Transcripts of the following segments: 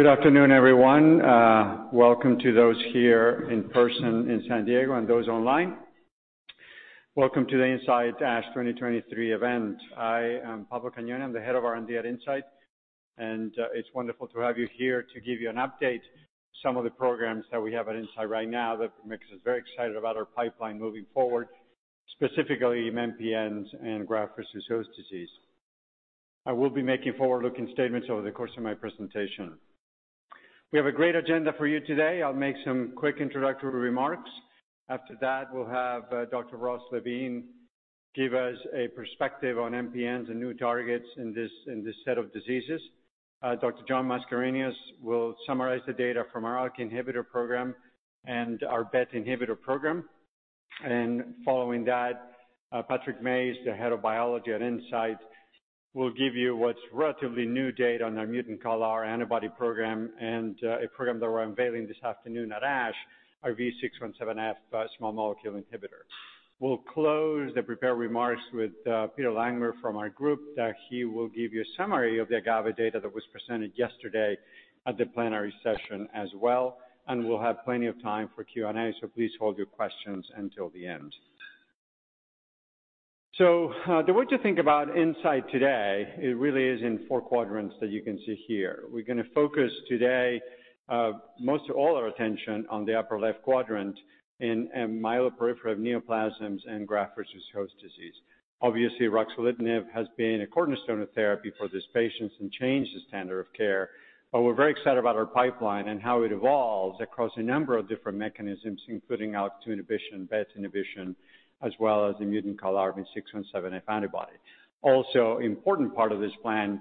Good afternoon, everyone. Welcome to those here in person in San Diego and those online. Welcome to the Incyte ASH 2023 event. I am Pablo Cagnoni, the Head of R&D at Incyte, and it's wonderful to have you here to give you an update, some of the programs that we have at Incyte right now that makes us very excited about our pipeline moving forward, specifically MPNs and graft versus host disease. I will be making forward-looking statements over the course of my presentation. We have a great agenda for you today. I'll make some quick introductory remarks. After that, we'll have Dr. Ross Levine give us a perspective on MPNs and new targets in this set of diseases. Dr. John Mascarenhas will summarize the data from our ALK inhibitor program and our BET inhibitor program. Following that, Patrick Mayes, the Head of Biology at Incyte, will give you what's relatively new data on our mutant CALR antibody program and a program that we're unveiling this afternoon at ASH, our V617F small molecule inhibitor. We'll close the prepared remarks with Peter Langmuir from our group, that he will give you a summary of the AGAVE data that was presented yesterday at the plenary session as well, and we'll have plenty of time for Q&A, so please hold your questions until the end. The way to think about Incyte today, it really is in four quadrants that you can see here. We're gonna focus today, most of all our attention on the upper left quadrant in myeloproliferative neoplasms and graft-versus-host disease. Obviously, ruxolitinib has been a cornerstone of therapy for these patients and changed the standard of care, but we're very excited about our pipeline and how it evolves across a number of different mechanisms, including ALK2 inhibition, BET inhibition, as well as the mutant JAK2 V617F antibody. Also, important part of this plan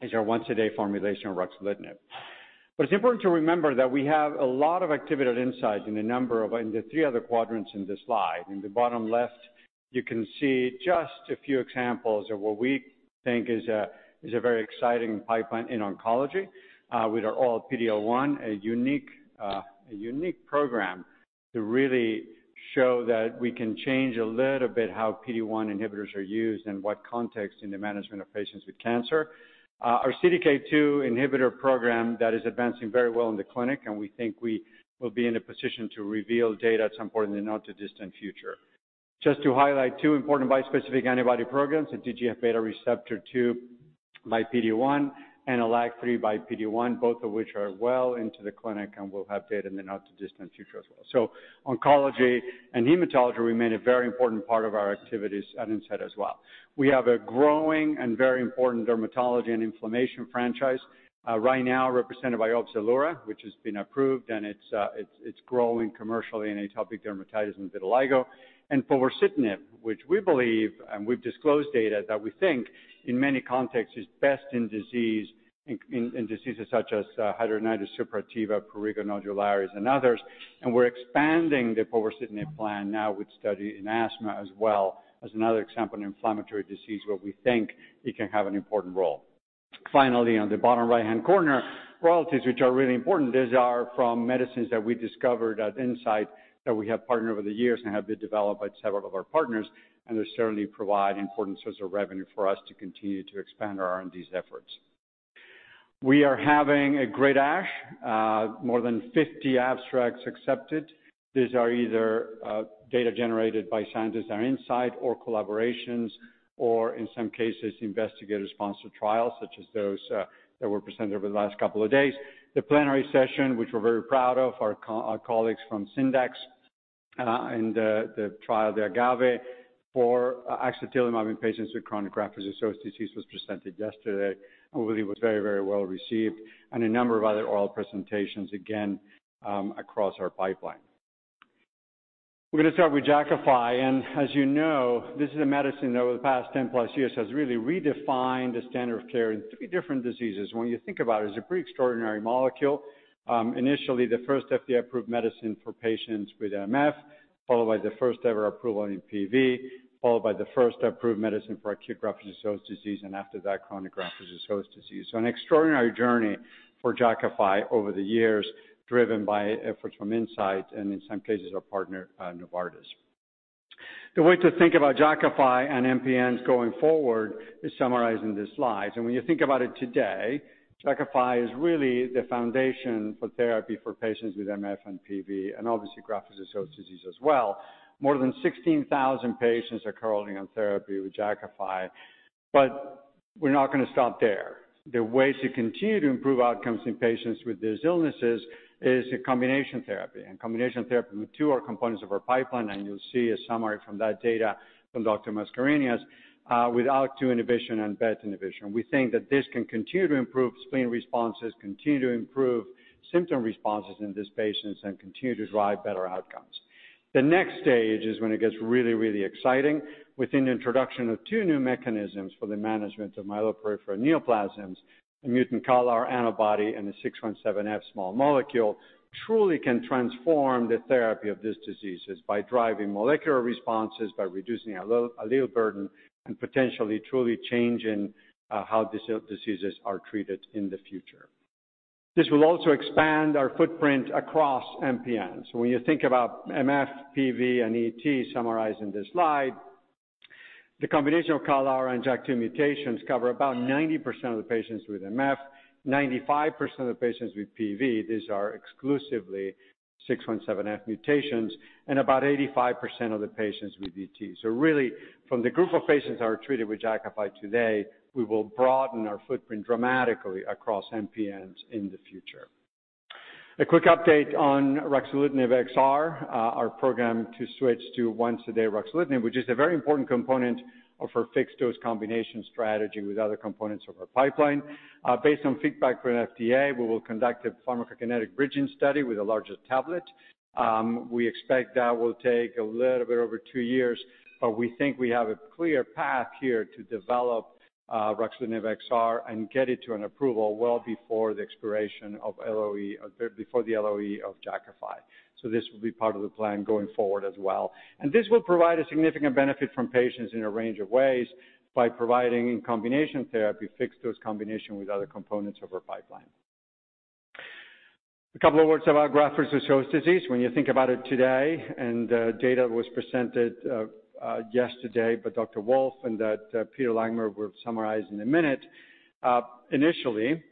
is our once-a-day formulation ruxolitinib. But it's important to remember that we have a lot of activity at Incyte in a number of... in the three other quadrants in this slide. In the bottom left, you can see just a few examples of what we think is a very exciting pipeline in oncology. With our anti-PD-L1, a unique program to really show that we can change a little bit how PD-L1 inhibitors are used and what context in the management of patients with cancer. Our CDK2 inhibitor program, that is advancing very well in the clinic, and we think we will be in a position to reveal data at some point in the not-too-distant future. Just to highlight two important bispecific antibody programs, the TGF-beta receptor 2 by PD-1 and LAG-3 by PD-1, both of which are well into the clinic and will have data in the not-too-distant future as well. So oncology and hematology remain a very important part of our activities at Incyte as well. We have a growing and very important dermatology and inflammation franchise, right now represented by Opzelura, which has been approved, and it's growing commercially in atopic dermatitis and vitiligo. And for povorcitinib, which we believe, and we've disclosed data that we think in many contexts, is best in disease, in diseases such as hidradenitis suppurativa, prurigo nodularis, and others. We're expanding the povorcitinib plan now with study in asthma as well as another example in inflammatory disease, where we think it can have an important role. Finally, on the bottom right-hand corner, royalties, which are really important. These are from medicines that we discovered at Incyte, that we have partnered over the years and have been developed by several of our partners, and they certainly provide important source of revenue for us to continue to expand our R&D efforts. We are having a great ASH, more than 50 abstracts accepted. These are either data generated by scientists at Incyte or collaborations, or in some cases, investigator-sponsored trials, such as those that were presented over the last couple of days. The plenary session, which we're very proud of, our colleagues from Syndax, and the trial, the AGAVE, for axatilimab in patients with chronic graft-versus-host disease, was presented yesterday and we believe was very, very well received, and a number of other oral presentations, again, across our pipeline. We're gonna start with Jakafi, and as you know, this is a medicine that over the past 10+ years has really redefined the standard of care in three different diseases. When you think about it, it's a pretty extraordinary molecule. Initially, the first FDA-approved medicine for patients with MF, followed by the first-ever approval in PV, followed by the first approved medicine for acute graft-versus-host disease, and after that, chronic graft-versus-host disease. So an extraordinary journey for Jakafi over the years, driven by efforts from Incyte and in some cases, our partner, Novartis. The way to think about Jakafi and MPNs going forward is summarized in this slide. And when you think about it today, Jakafi is really the foundation for therapy for patients with MF and PV, and obviously graft-versus-host disease as well. More than 16,000 patients are currently on therapy with Jakafi, but we're not gonna stop there. The ways to continue to improve outcomes in patients with these illnesses is a combination therapy, and combination therapy with two are components of our pipeline, and you'll see a summary from that data from Dr. Mascarenhas, with ALK-2 inhibition and BET inhibition. We think that this can continue to improve spleen responses, continue to improve symptom responses in these patients, and continue to drive better outcomes. The next stage is when it gets really, really exciting. With the introduction of two new mechanisms for the management of myeloproliferative neoplasms, a mutant CALR antibody and a V617F small molecule, truly can transform the therapy of these diseases by driving molecular responses, by reducing allele burden, and potentially truly changing how these diseases are treated in the future. This will also expand our footprint across MPNs. When you think about MF, PV, and ET summarized in this slide. The combination of CALR and JAK2 mutations cover about 90% of the patients with MF, 95% of the patients with PV, these are exclusively V617F mutations, and about 85% of the patients with ET. So really, from the group of patients that are treated with Jakafi today, we will broaden our footprint dramatically across MPNs in the future. A quick update on ruxolitinib XR, our program to switch to once-a-day ruxolitinib, which is a very important component of our fixed-dose combination strategy with other components of our pipeline. Based on feedback from FDA, we will conduct a pharmacokinetic bridging study with a larger tablet. We expect that will take a little bit over two years, but we think we have a clear path here to develop ruxolitinib XR and get it to an approval well before the expiration of LOE, before the LOE of Jakafi. So this will be part of the plan going forward as well. And this will provide a significant benefit from patients in a range of ways by providing in combination therapy, fixed-dose combination with other components of our pipeline. A couple of words about graft-versus-host disease. When you think about it today, and data was presented yesterday by Dr. Wolff and that Peter Langmuir will summarize in a minute. Initially,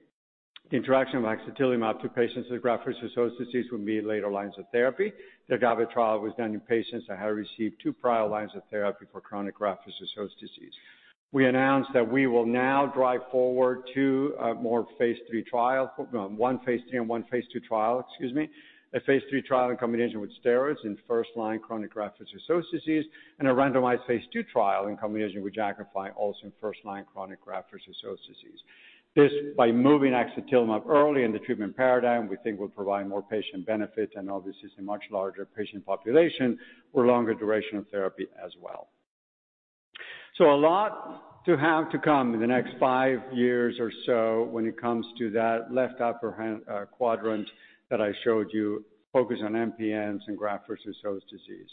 the interaction of axatilimab to patients with graft-versus-host disease would be later lines of therapy. The AGAVE trial was done in patients that had received two prior lines of therapy for chronic graft-versus-host disease. We announced that we will now drive forward to more phase III trial, one phase III and one phase two trial, excuse me. A phase III trial in combination with steroids in first-line chronic graft-versus-host disease, and a randomized phase two trial in combination with Jakafi, also in first-line chronic graft-versus-host disease. This, by moving axatilimab early in the treatment paradigm, we think will provide more patient benefit and obviously is a much larger patient population for longer durational therapy as well. So a lot to have to come in the next five years or so when it comes to that left upper hand quadrant that I showed you, focused on MPNs and graft-versus-host disease.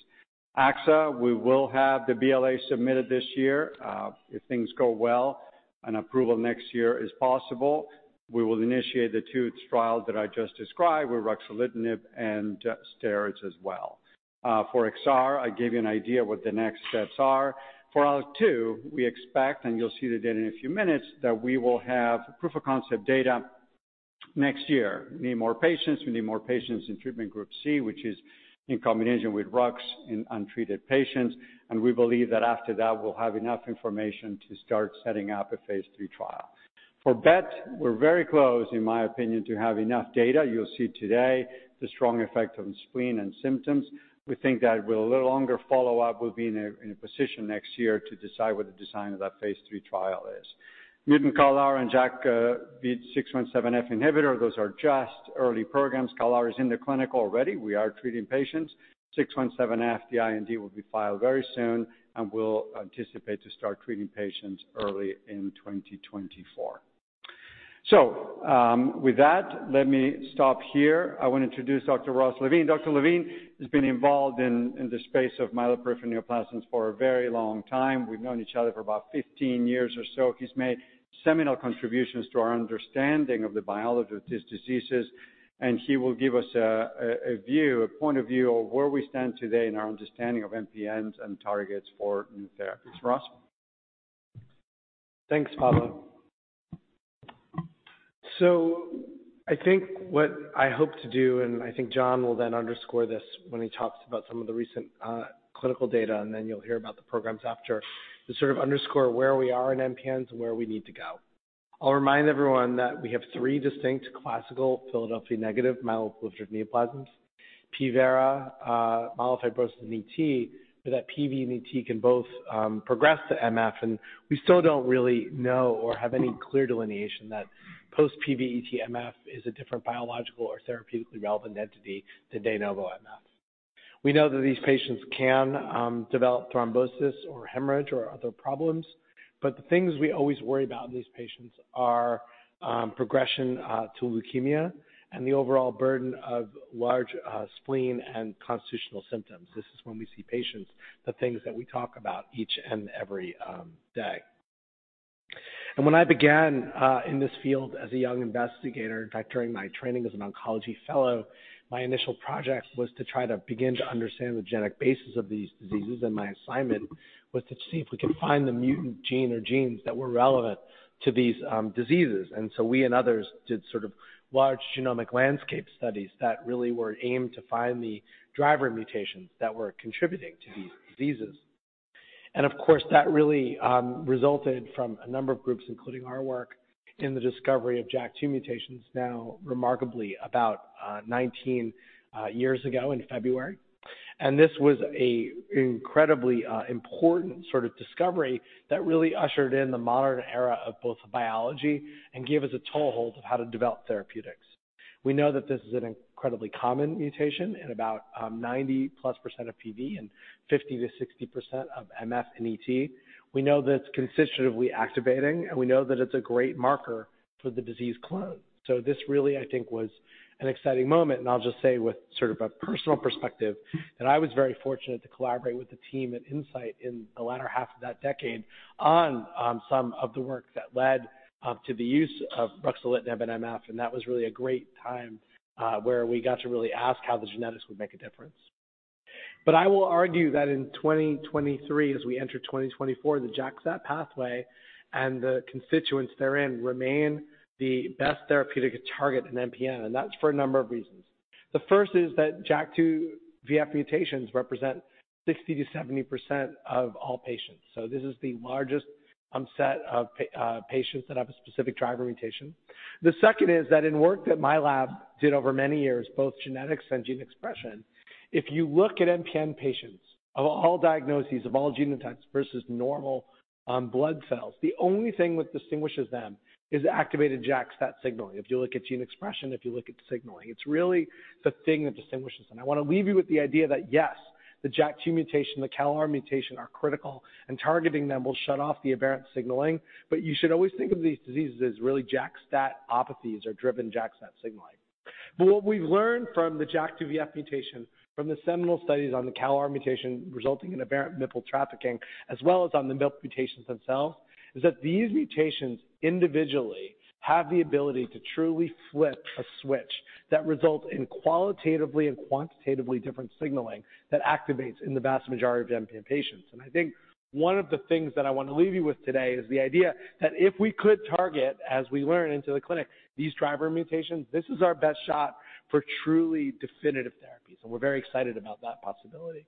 AXA, we will have the BLA submitted this year. If things go well, an approval next year is possible. We will initiate the two trials that I just described with ruxolitinib and steroids as well. For XR, I gave you an idea what the next steps are. For ALK2, we expect, and you'll see the data in a few minutes, that we will have proof of concept data next year. We need more patients. We need more patients in treatment group C, which is in combination with Rux in untreated patients, and we believe that after that, we'll have enough information to start setting up a phase III trial. For BET, we're very close, in my opinion, to have enough data. You'll see today the strong effect on spleen and symptoms. We think that with a little longer follow-up, we'll be in a position next year to decide what the design of that phase III trial is. Mutant CALR and JAK2 V617F inhibitor, those are just early programs. CALR is in the clinical already. We are treating patients. V617F, the IND will be filed very soon, and we'll anticipate to start treating patients early in 2024. So, with that, let me stop here. I want to introduce Dr. Ross Levine. Dr. Levine has been involved in the space of myeloproliferative neoplasms for a very long time. We've known each other for about 15 years or so. He's made seminal contributions to our understanding of the biology of these diseases, and he will give us a view, a point of view of where we stand today in our understanding of MPNs and targets for new therapies. Ross? Thanks, Pablo. So I think what I hope to do, and I think John will then underscore this when he talks about some of the recent clinical data, and then you'll hear about the programs after. To sort of underscore where we are in MPNs and where we need to go. I'll remind everyone that we have three distinct classical Philadelphia negative myeloproliferative neoplasms: PV, myelofibrosis, and ET, but that PV and ET can both progress to MF, and we still don't really know or have any clear delineation that post-PV/ET MF is a different biological or therapeutically relevant entity to de novo MF. We know that these patients can develop thrombosis or hemorrhage or other problems, but the things we always worry about in these patients are progression to leukemia and the overall burden of large spleen and constitutional symptoms. This is when we see patients, the things that we talk about each and every day. When I began in this field as a young investigator, in fact, during my training as an oncology fellow, my initial project was to try to begin to understand the genetic basis of these diseases, and my assignment was to see if we could find the mutant gene or genes that were relevant to these diseases. So we and others did sort of large genomic landscape studies that really were aimed to find the driver mutations that were contributing to these diseases. Of course, that really resulted from a number of groups, including our work in the discovery of JAK2 mutations, now remarkably about 19 years ago in February. And this was an incredibly important sort of discovery that really ushered in the modern era of both biology and gave us a toehold of how to develop therapeutics. We know that this is an incredibly common mutation in about 90%+ of PV and 50%-60% of MF and ET. We know that it's constitutively activating, and we know that it's a great marker for the disease clone. So this really, I think, was an exciting moment, and I'll just say with sort of a personal perspective, that I was very fortunate to collaborate with the team at Incyte in the latter half of that decade on some of the work that led to the U.S.e of ruxolitinib in MF. And that was really a great time, where we got to really ask how the genetics would make a difference. But I will argue that in 2023, as we enter 2024, the JAK-STAT pathway and the constituents therein remain the best therapeutic target in MPN, and that's for a number of reasons. The first is that JAK2 VF mutations represent 60%-70% of all patients. So this is the largest set of patients that have a specific driver mutation. The second is that in work that my lab did over many years, both genetics and gene expression, if you look at MPN patients, of all diagnoses, of all genotypes versus normal blood cells, the only thing which distinguishes them is activated JAK-STAT signaling. If you look at gene expression, if you look at signaling, it's really the thing that distinguishes them. I want to leave you with the idea that, yes, the JAK2 mutation, the CALR mutation, are critical, and targeting them will shut off the aberrant signaling. But you should always think of these diseases as really JAK-STATopathies or driven JAK-STAT signaling. But what we've learned from the JAK2 VF mutation, from the seminal studies on the CALR mutation, resulting in aberrant mCALR trafficking, as well as on the MPL mutations themselves, is that these mutations individually have the ability to truly flip a switch that results in qualitatively and quantitatively different signaling that activates in the vast majority of MPN patients. And I think one of the things that I want to leave you with today is the idea that if we could target, as we learn into the clinic, these driver mutations, this is our best shot for truly definitive therapies, and we're very excited about that possibility.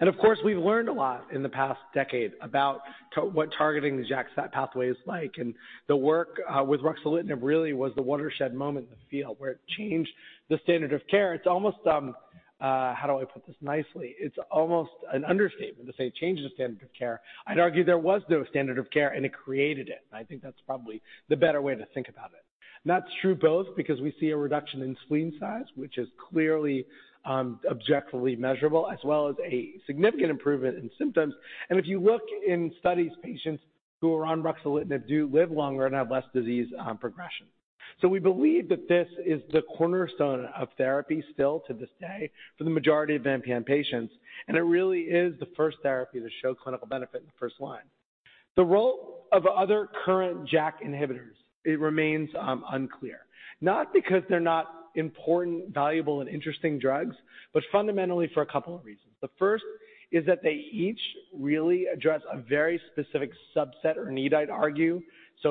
And of course, we've learned a lot in the past decade about what targeting the JAK-STAT pathway is like, and the work with ruxolitinib really was the watershed moment in the field where it changed the standard of care. It's almost, how do I put this nicely? It's almost an understatement to say it changes the standard of care. I'd argue there was no standard of care, and it created it. I think that's probably the better way to think about it. That's true both because we see a reduction in spleen size, which is clearly, objectively measurable, as well as a significant improvement in symptoms. And if you look in studies, patients who are on ruxolitinib do live longer and have less disease, progression. We believe that this is the cornerstone of therapy still to this day for the majority of MPN patients, and it really is the first therapy to show clinical benefit in first line. The role of other current JAK inhibitors, it remains unclear, not because they're not important, valuable, and interesting drugs, but fundamentally for a couple of reasons. The first is that they each really address a very specific subset or need, I'd argue.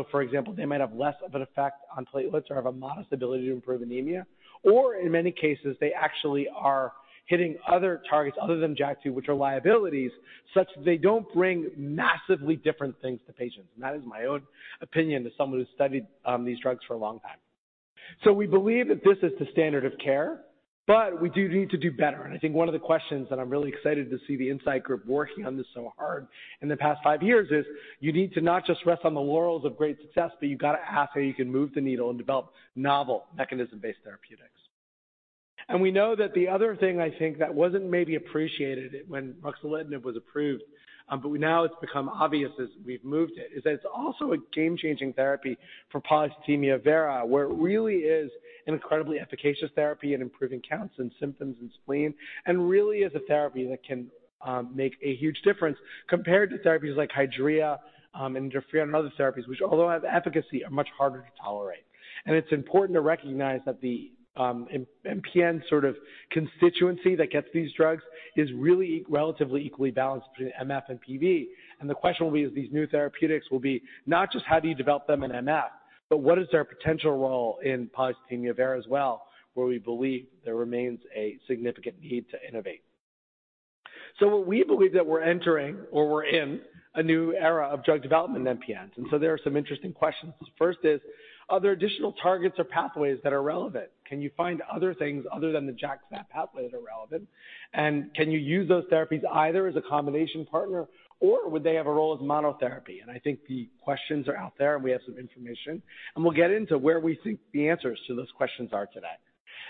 For example, they might have less of an effect on platelets or have a modest ability to improve anemia, or in many cases, they actually are hitting other targets other than JAK2, which are liabilities, such that they don't bring massively different things to patients. That is my own opinion as someone who's studied these drugs for a long time. We believe that this is the standard of care, but we do need to do better. I think one of the questions, and I'm really excited to see Incyte working on this so hard in the past five years, is you need to not just rest on the laurels of great success, but you gotta ask how you can move the needle and develop novel mechanism-based therapeutics. And we know that the other thing, I think, that wasn't maybe appreciated when ruxolitinib was approved, but now it's become obvious as we've moved it, is that it's also a game-changing therapy for polycythemia vera, where it really is an incredibly efficacious therapy in improving counts and symptoms and spleen, and really is a therapy that can, make a huge difference compared to therapies like Hydrea, interferon and other therapies, which, although have efficacy, are much harder to tolerate. And it's important to recognize that the, MPN sort of constituency that gets these drugs is really relatively equally balanced between MF and PV. And the question will be, is these new therapeutics will be not just how do you develop them in MF, but what is their potential role in polycythemia vera as well, where we believe there remains a significant need to innovate. So what we believe that we're entering, or we're in, a new era of drug development in MPNs, and so there are some interesting questions. First is, are there additional targets or pathways that are relevant? Can you find other things other than the JAK-STAT pathway that are relevant? And can you use those therapies either as a combination partner, or would they have a role as monotherapy? And I think the questions are out there, and we have some information, and we'll get into where we think the answers to those questions are today.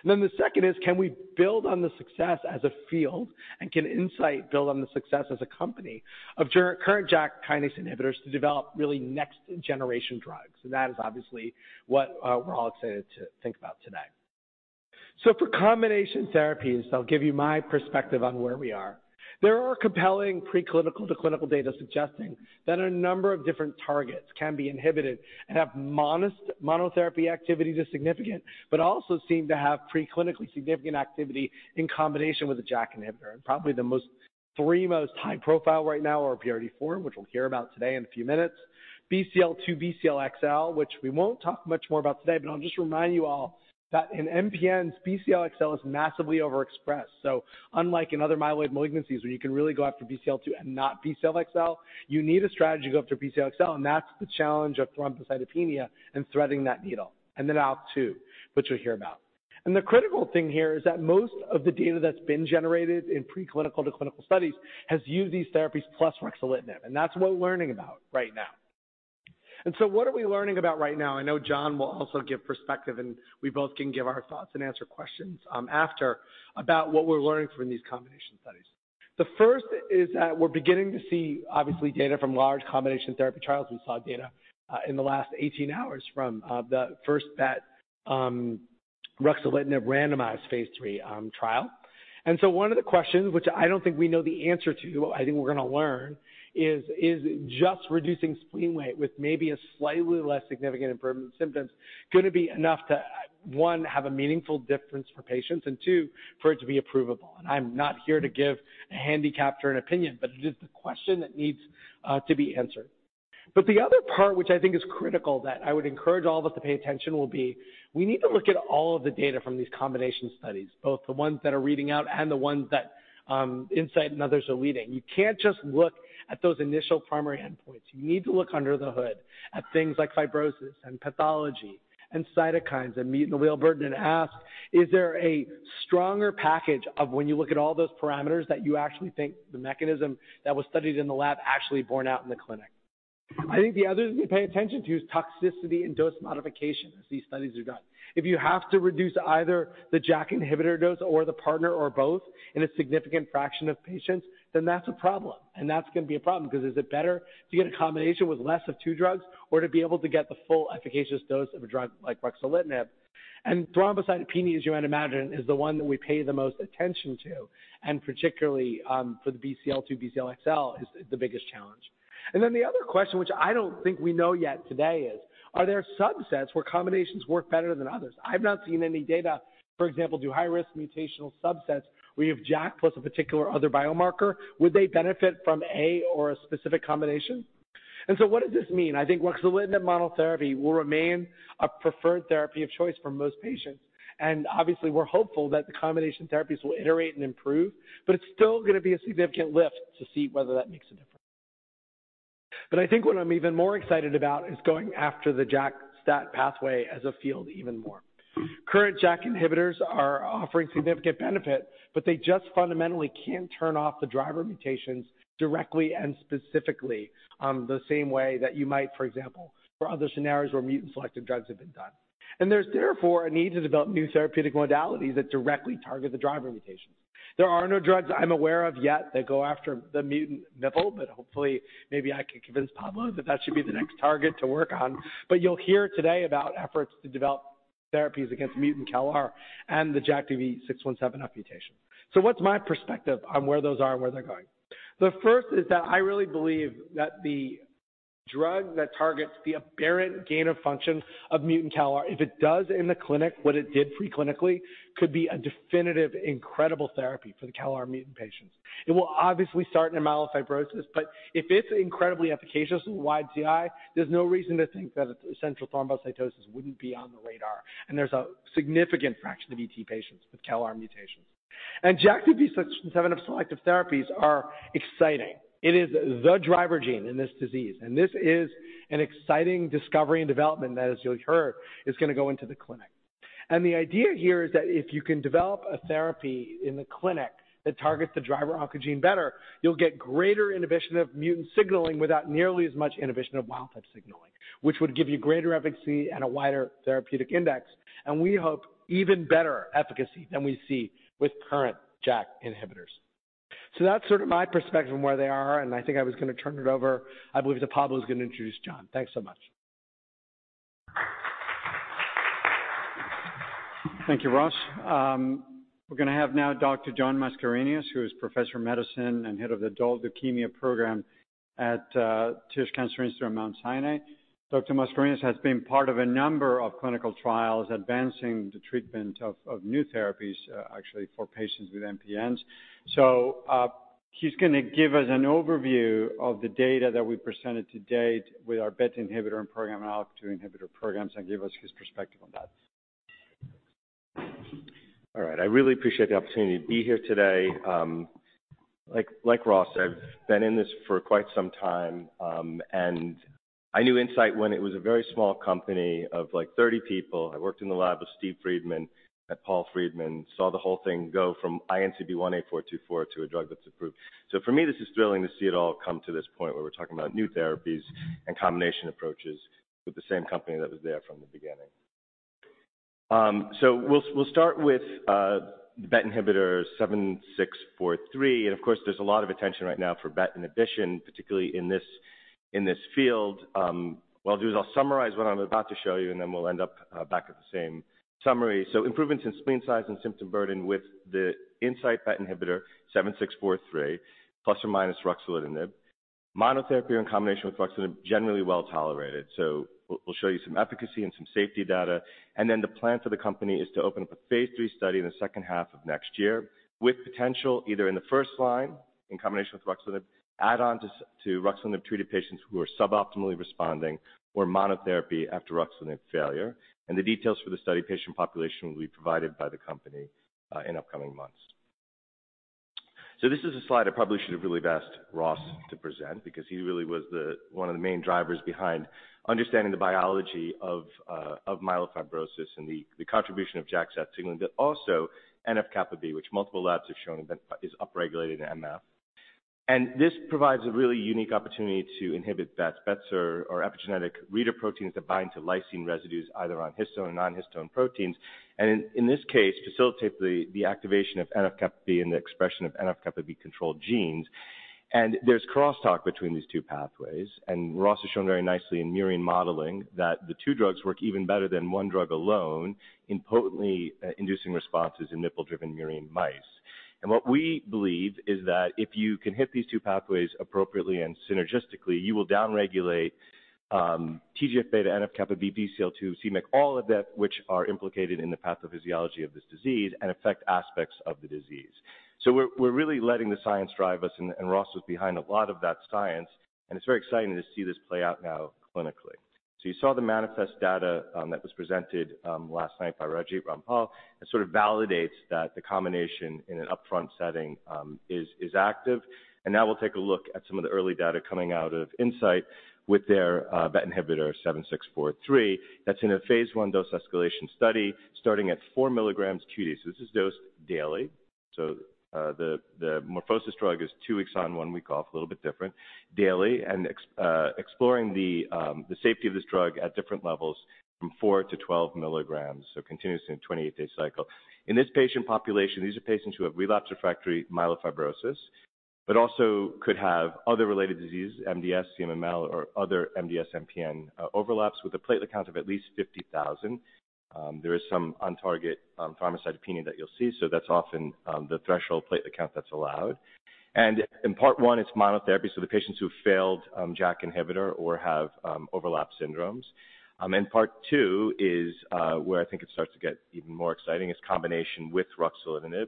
Then the second is: can we build on the success as a field, and can Incyte build on the success as a company of current JAK kinase inhibitors to develop really next-generation drugs? And that is obviously what we're all excited to think about today. So for combination therapies, I'll give you my perspective on where we are. There are compelling preclinical to clinical data suggesting that a number of different targets can be inhibited and have modest monotherapy activities is significant, but also seem to have preclinically significant activity in combination with a JAK inhibitor. And probably three most high profile right now are BET, which we'll hear about today in a few minutes. Bcl-2, Bcl-XL, which we won't talk much more about today, but I'll just remind you all that in MPNs, Bcl-XL is massively overexpressed. So unlike in other myeloid malignancies, where you can really go after Bcl-2 and not Bcl-XL, you need a strategy to go after Bcl-XL, and that's the challenge of thrombocytopenia and threading that needle. And then ALK2, which we'll hear about. The critical thing here is that most of the data that's been generated in preclinical to clinical studies has used these therapies plus ruxolitinib, and that's what we're learning about right now. What are we learning about right now? I know John will also give perspective, and we both can give our thoughts and answer questions after about what we're learning from these combination studies. The first is that we're beginning to see, obviously, data from large combination therapy trials. We saw data in the last 18 hours from the first ruxolitinib randomized phase III trial. So one of the questions, which I don't think we know the answer to, I think we're gonna learn, is: is just reducing spleen weight with maybe a slightly less significant improvement in symptoms, gonna be enough to, one, have a meaningful difference for patients, and two, for it to be approvable? I'm not here to give a handicapper's opinion, but it is the question that needs to be answered... But the other part, which I think is critical, that I would encourage all of us to pay attention will be, we need to look at all of the data from these combination studies, both the ones that are reading out and the ones that Incyte and others are leading. You can't just look at those initial primary endpoints. You need to look under the hood at things like fibrosis and pathology, and cytokines, and mutant allele burden, and ask: Is there a stronger package of when you look at all those parameters that you actually think the mechanism that was studied in the lab actually borne out in the clinic? I think the other thing to pay attention to is toxicity and dose modification as these studies are done. If you have to reduce either the JAK inhibitor dose or the partner or both in a significant fraction of patients, then that's a problem. And that's going to be a problem, because is it better to get a combination with less of two drugs or to be able to get the full efficacious dose of a drug like ruxolitinib? Thrombocytopenia, as you might imagine, is the one that we pay the most attention to, and particularly, for the Bcl-2, Bcl-XL is the biggest challenge. Then the other question, which I don't think we know yet today is: Are there subsets where combinations work better than others? I've not seen any data. For example, do high-risk mutational subsets, where you have JAK plus a particular other biomarker, would they benefit from a specific combination? So what does this mean? I think ruxolitinib monotherapy will remain a preferred therapy of choice for most patients. Obviously, we're hopeful that the combination therapies will iterate and improve, but it's still gonna be a significant lift to see whether that makes a difference. But I think what I'm even more excited about is going after the JAK-STAT pathway as a field even more. Current JAK inhibitors are offering significant benefit, but they just fundamentally can't turn off the driver mutations directly and specifically, the same way that you might, for example, for other scenarios where mutant-selective drugs have been done. There's therefore a need to develop new therapeutic modalities that directly target the driver mutations. There are no drugs I'm aware of yet that go after the mutant CALR, but hopefully, maybe I can convince Pablo that that should be the next target to work on. But you'll hear today about efforts to develop therapies against mutant CALR and the JAK2 V617F mutation. So what's my perspective on where those are and where they're going? The first is that I really believe that the drug that targets the aberrant gain-of-function of mutant CALR, if it does in the clinic what it did pre-clinically, could be a definitive, incredible therapy for the CALR mutant patients. It will obviously start in myelofibrosis, but if it's incredibly efficacious with wide TI, there's no reason to think that essential thrombocythemia wouldn't be on the radar. There's a significant fraction of ET patients with CALR mutations. JAK2 V617F-selective therapies are exciting. It is the driver gene in this disease, and this is an exciting discovery and development that, as you'll hear, is going to go into the clinic. The idea here is that if you can develop a therapy in the clinic that targets the driver oncogene better, you'll get greater inhibition of mutant signaling without nearly as much inhibition of wild type signaling, which would give you greater efficacy and a wider therapeutic index, and we hope even better efficacy than we see with current JAK inhibitors. That's sort of my perspective on where they are, and I think I was going to turn it over. I believe that Pablo is going to introduce John. Thanks so much. Thank you, Ross. We're going to have now Dr. John Mascarenhas, who is Professor of Medicine and Head of the Adult Leukemia Program at Tisch Cancer Institute at Mount Sinai. Dr. Mascarenhas has been part of a number of clinical trials advancing the treatment of new therapies, actually, for patients with MPNs. So, he's gonna give us an overview of the data that we presented to date with our BET inhibitor program and ALK2 inhibitor programs and give us his perspective on that. All right. I really appreciate the opportunity to be here today. Like Ross, I've been in this for quite some time, and I knew Incyte when it was a very small company of, like, 30 people. I worked in the lab with Steven Fruchtman and Paul Friedman, saw the whole thing go from INCB18424 to a drug that's approved. So for me, this is thrilling to see it all come to this point where we're talking about new therapies and combination approaches with the same company that was there from the beginning. So we'll start with BET inhibitor INCB057643, and of course, there's a lot of attention right now for BET inhibition, particularly in this field. What I'll do is I'll summarize what I'm about to show you, and then we'll end up back at the same summary. So improvements in spleen size and symptom burden with the Incyte BET inhibitor INCB057643, ± ruxolitinib. Monotherapy or in combination with ruxolitinib, generally well-tolerated. So we'll show you some efficacy and some safety data. And then the plan for the company is to open up a phase III study in the second half of next year, with potential either in the first line, in combination with ruxolitinib, add-on to ruxolitinib-treated patients who are suboptimally responding, or monotherapy after ruxolitinib failure. And the details for the study patient population will be provided by the company in upcoming months. So this is a slide I probably should have really asked Ross to present, because he really was the... One of the main drivers behind understanding the biology of, of myelofibrosis and the contribution of JAK-STAT signaling, but also NF-κB, which multiple labs have shown that is upregulated in MF. And this provides a really unique opportunity to inhibit that BETs or epigenetic reader proteins that bind to lysine residues, either on histone or non-histone proteins, and in, in this case, facilitate the activation of NF-κB and the expression of NF-κB-controlled genes. And there's crosstalk between these two pathways, and Ross has shown very nicely in murine modeling that the two drugs work even better than one drug alone in potently inducing responses in JAK2-driven murine mice. And what we believe is that if you can hit these two pathways appropriately and synergistically, you will down-regulate-... TGF-beta, NF-κB, Bcl2, c-MYC, all of that which are implicated in the pathophysiology of this disease and affect aspects of the disease. So we're really letting the science drive us, and Ross was behind a lot of that science, and it's very exciting to see this play out now clinically. So you saw the MANIFEST data, that was presented last night by Raajit Rampal, and sort of validates that the combination in an upfront setting is active. And now we'll take a look at some of the early data coming out of Incyte with their BET inhibitor INCB057643. That's in a phase one dose-escalation study, starting at 4 mg QD. So this is dosed daily. So, the MorphoSys drug is two weeks on, one week off, a little bit different, daily, and exploring the safety of this drug at different levels from 4-12 mg, so continuous in a 28-day cycle. In this patient population, these are patients who have relapsed/refractory myelofibrosis, but also could have other related disease, MDS, CMML, or other MDS/MPN overlaps with a platelet count of at least 50,000. There is some on-target thrombocytopenia that you'll see, so that's often the threshold platelet count that's allowed. And in part one, it's monotherapy, so the patients who've failed JAK inhibitor or have overlap syndromes. In part two is where I think it starts to get even more exciting. It's combination with ruxolitinib.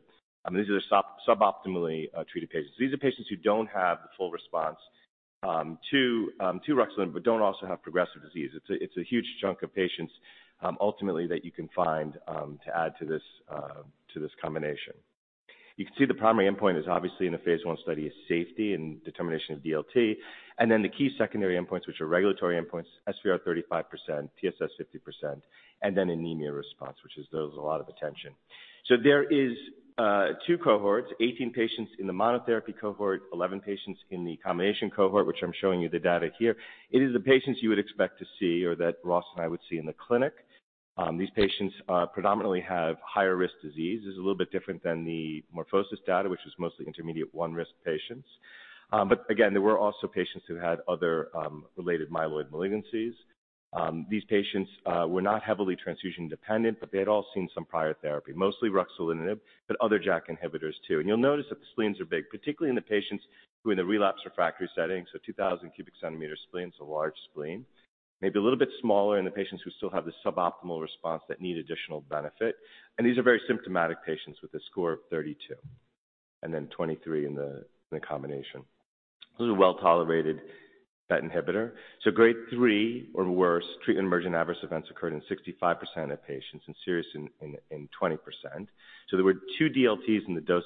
These are the suboptimally treated patients. These are patients who don't have the full response to ruxolitinib, but don't also have progressive disease. It's a huge chunk of patients ultimately that you can find to add to this combination. You can see the primary endpoint is obviously in the phase I study, is safety and determination of DLT, and then the key secondary endpoints, which are regulatory endpoints, SVR 35%, TSS 50%, and then anemia response, which deserves a lot of attention. So there is 2 cohorts, 18 patients in the monotherapy cohort, 11 patients in the combination cohort, which I'm showing you the data here. It is the patients you would expect to see or that Ross and I would see in the clinic. These patients predominantly have higher risk disease. This is a little bit different than the MorphoSys data, which is mostly intermediate-1 risk patients. But again, there were also patients who had other related myeloid malignancies. These patients were not heavily transfusion-dependent, but they had all seen some prior therapy, mostly ruxolitinib, but other JAK inhibitors, too. And you'll notice that the spleens are big, particularly in the patients who in the relapse refractory setting, so 2,000 cubic centimeter spleen, so a large spleen. Maybe a little bit smaller in the patients who still have the suboptimal response that need additional benefit. And these are very symptomatic patients with a score of 32, and then 23 in the combination. This is a well-tolerated BET inhibitor. So grade three or worse, treatment-emergent adverse events occurred in 65% of patients and serious in 20%. So there were two DLTs in the dose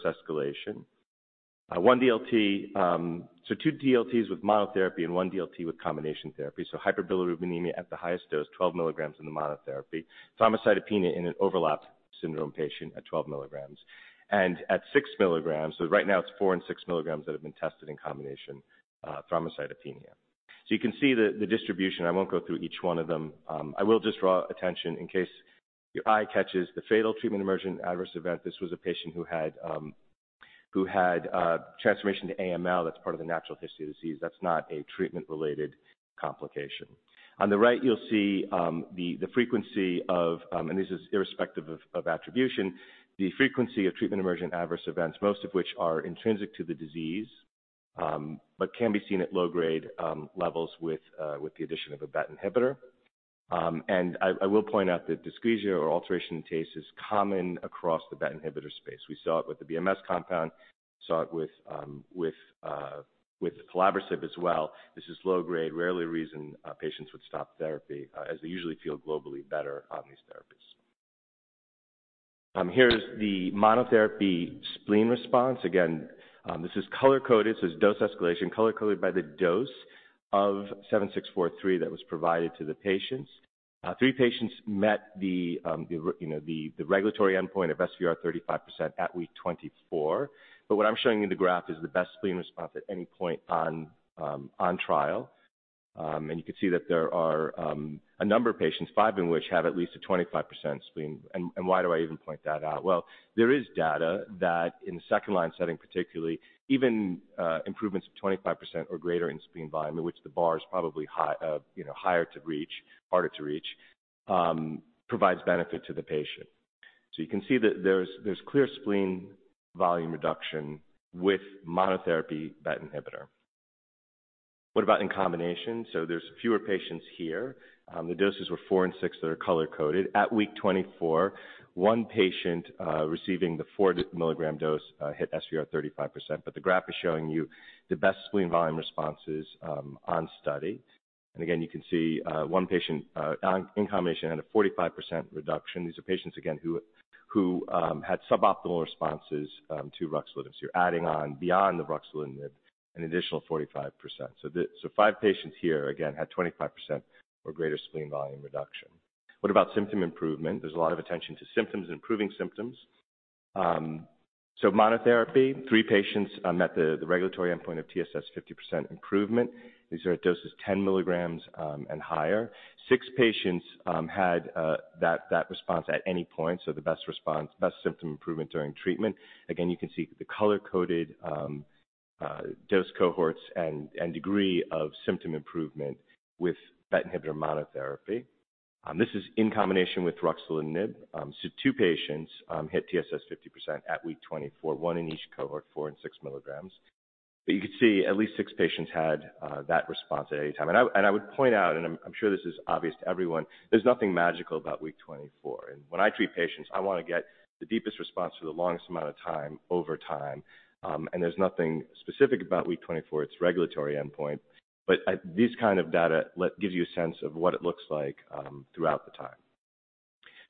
escalation. One DLT. So two DLTs with monotherapy and one DLT with combination therapy. So hyperbilirubinemia at the highest dose, 12 mg in the monotherapy. Thrombocytopenia in an overlap syndrome patient at 12 mg. And at 6 mg, so right now it's 4 mg and 6 mg that have been tested in combination, thrombocytopenia. So you can see the distribution. I won't go through each one of them. I will just draw attention in case your eye catches the fatal treatment-emergent adverse event. This was a patient who had transformation to AML. That's part of the natural history of the disease. That's not a treatment-related complication. On the right, you'll see the frequency of, and this is irrespective of attribution, the frequency of treatment-emergent adverse events, most of which are intrinsic to the disease, but can be seen at low-grade levels with the addition of a BET inhibitor. I will point out that dysgeusia or alteration in taste is common across the BET inhibitor space. We saw it with the BMS compound, saw it with the pelabresib as well. This is low-grade, rarely a reason patients would stop therapy, as they usually feel globally better on these therapies. Here is the monotherapy spleen response. Again, this is color-coded, so it's dose escalation, color-coded by the dose of 7643 that was provided to the patients. 3 patients met, you know, the regulatory endpoint of SVR 35% at week 24. But what I'm showing you in the graph is the best spleen response at any point on trial. And you can see that there are a number of patients, 5 in which have at least a 25% spleen. And why do I even point that out? Well, there is data that in the second-line setting, particularly, even improvements of 25% or greater in spleen volume, in which the bar is probably high, you know, higher to reach, harder to reach, provides benefit to the patient. So you can see that there's clear spleen volume reduction with monotherapy BET inhibitor. What about in combination? So there's fewer patients here. The doses were 4 and 6, that are color-coded. At week 24, one patient receiving the 4 mg dose hit SVR 35%, but the graph is showing you the best spleen volume responses on study. Again, you can see 1 patient in combination had a 45% reduction. These are patients again who had suboptimal responses to ruxolitinib. So you're adding on beyond the ruxolitinib an additional 45%. So five patients here again had 25% or greater spleen volume reduction. What about symptom improvement? There's a lot of attention to symptoms, improving symptoms. So monotherapy, three patients met the regulatory endpoint of TSS 50% improvement. These are at doses 10 mg and higher. Six patients had that response at any point, so the best response, best symptom improvement during treatment. Again, you can see the color-coded, dose cohorts and degree of symptom improvement with BET inhibitor monotherapy.... This is in combination with ruxolitinib. So two patients hit TSS 50% at week 24, one in each cohort, four and six mg. But you can see at least six patients had that response at any time. And I would point out, and I'm sure this is obvious to everyone, there's nothing magical about week 24. And when I treat patients, I want to get the deepest response for the longest amount of time over time. And there's nothing specific about week 24, it's a regulatory endpoint, but these kind of data gives you a sense of what it looks like throughout the time.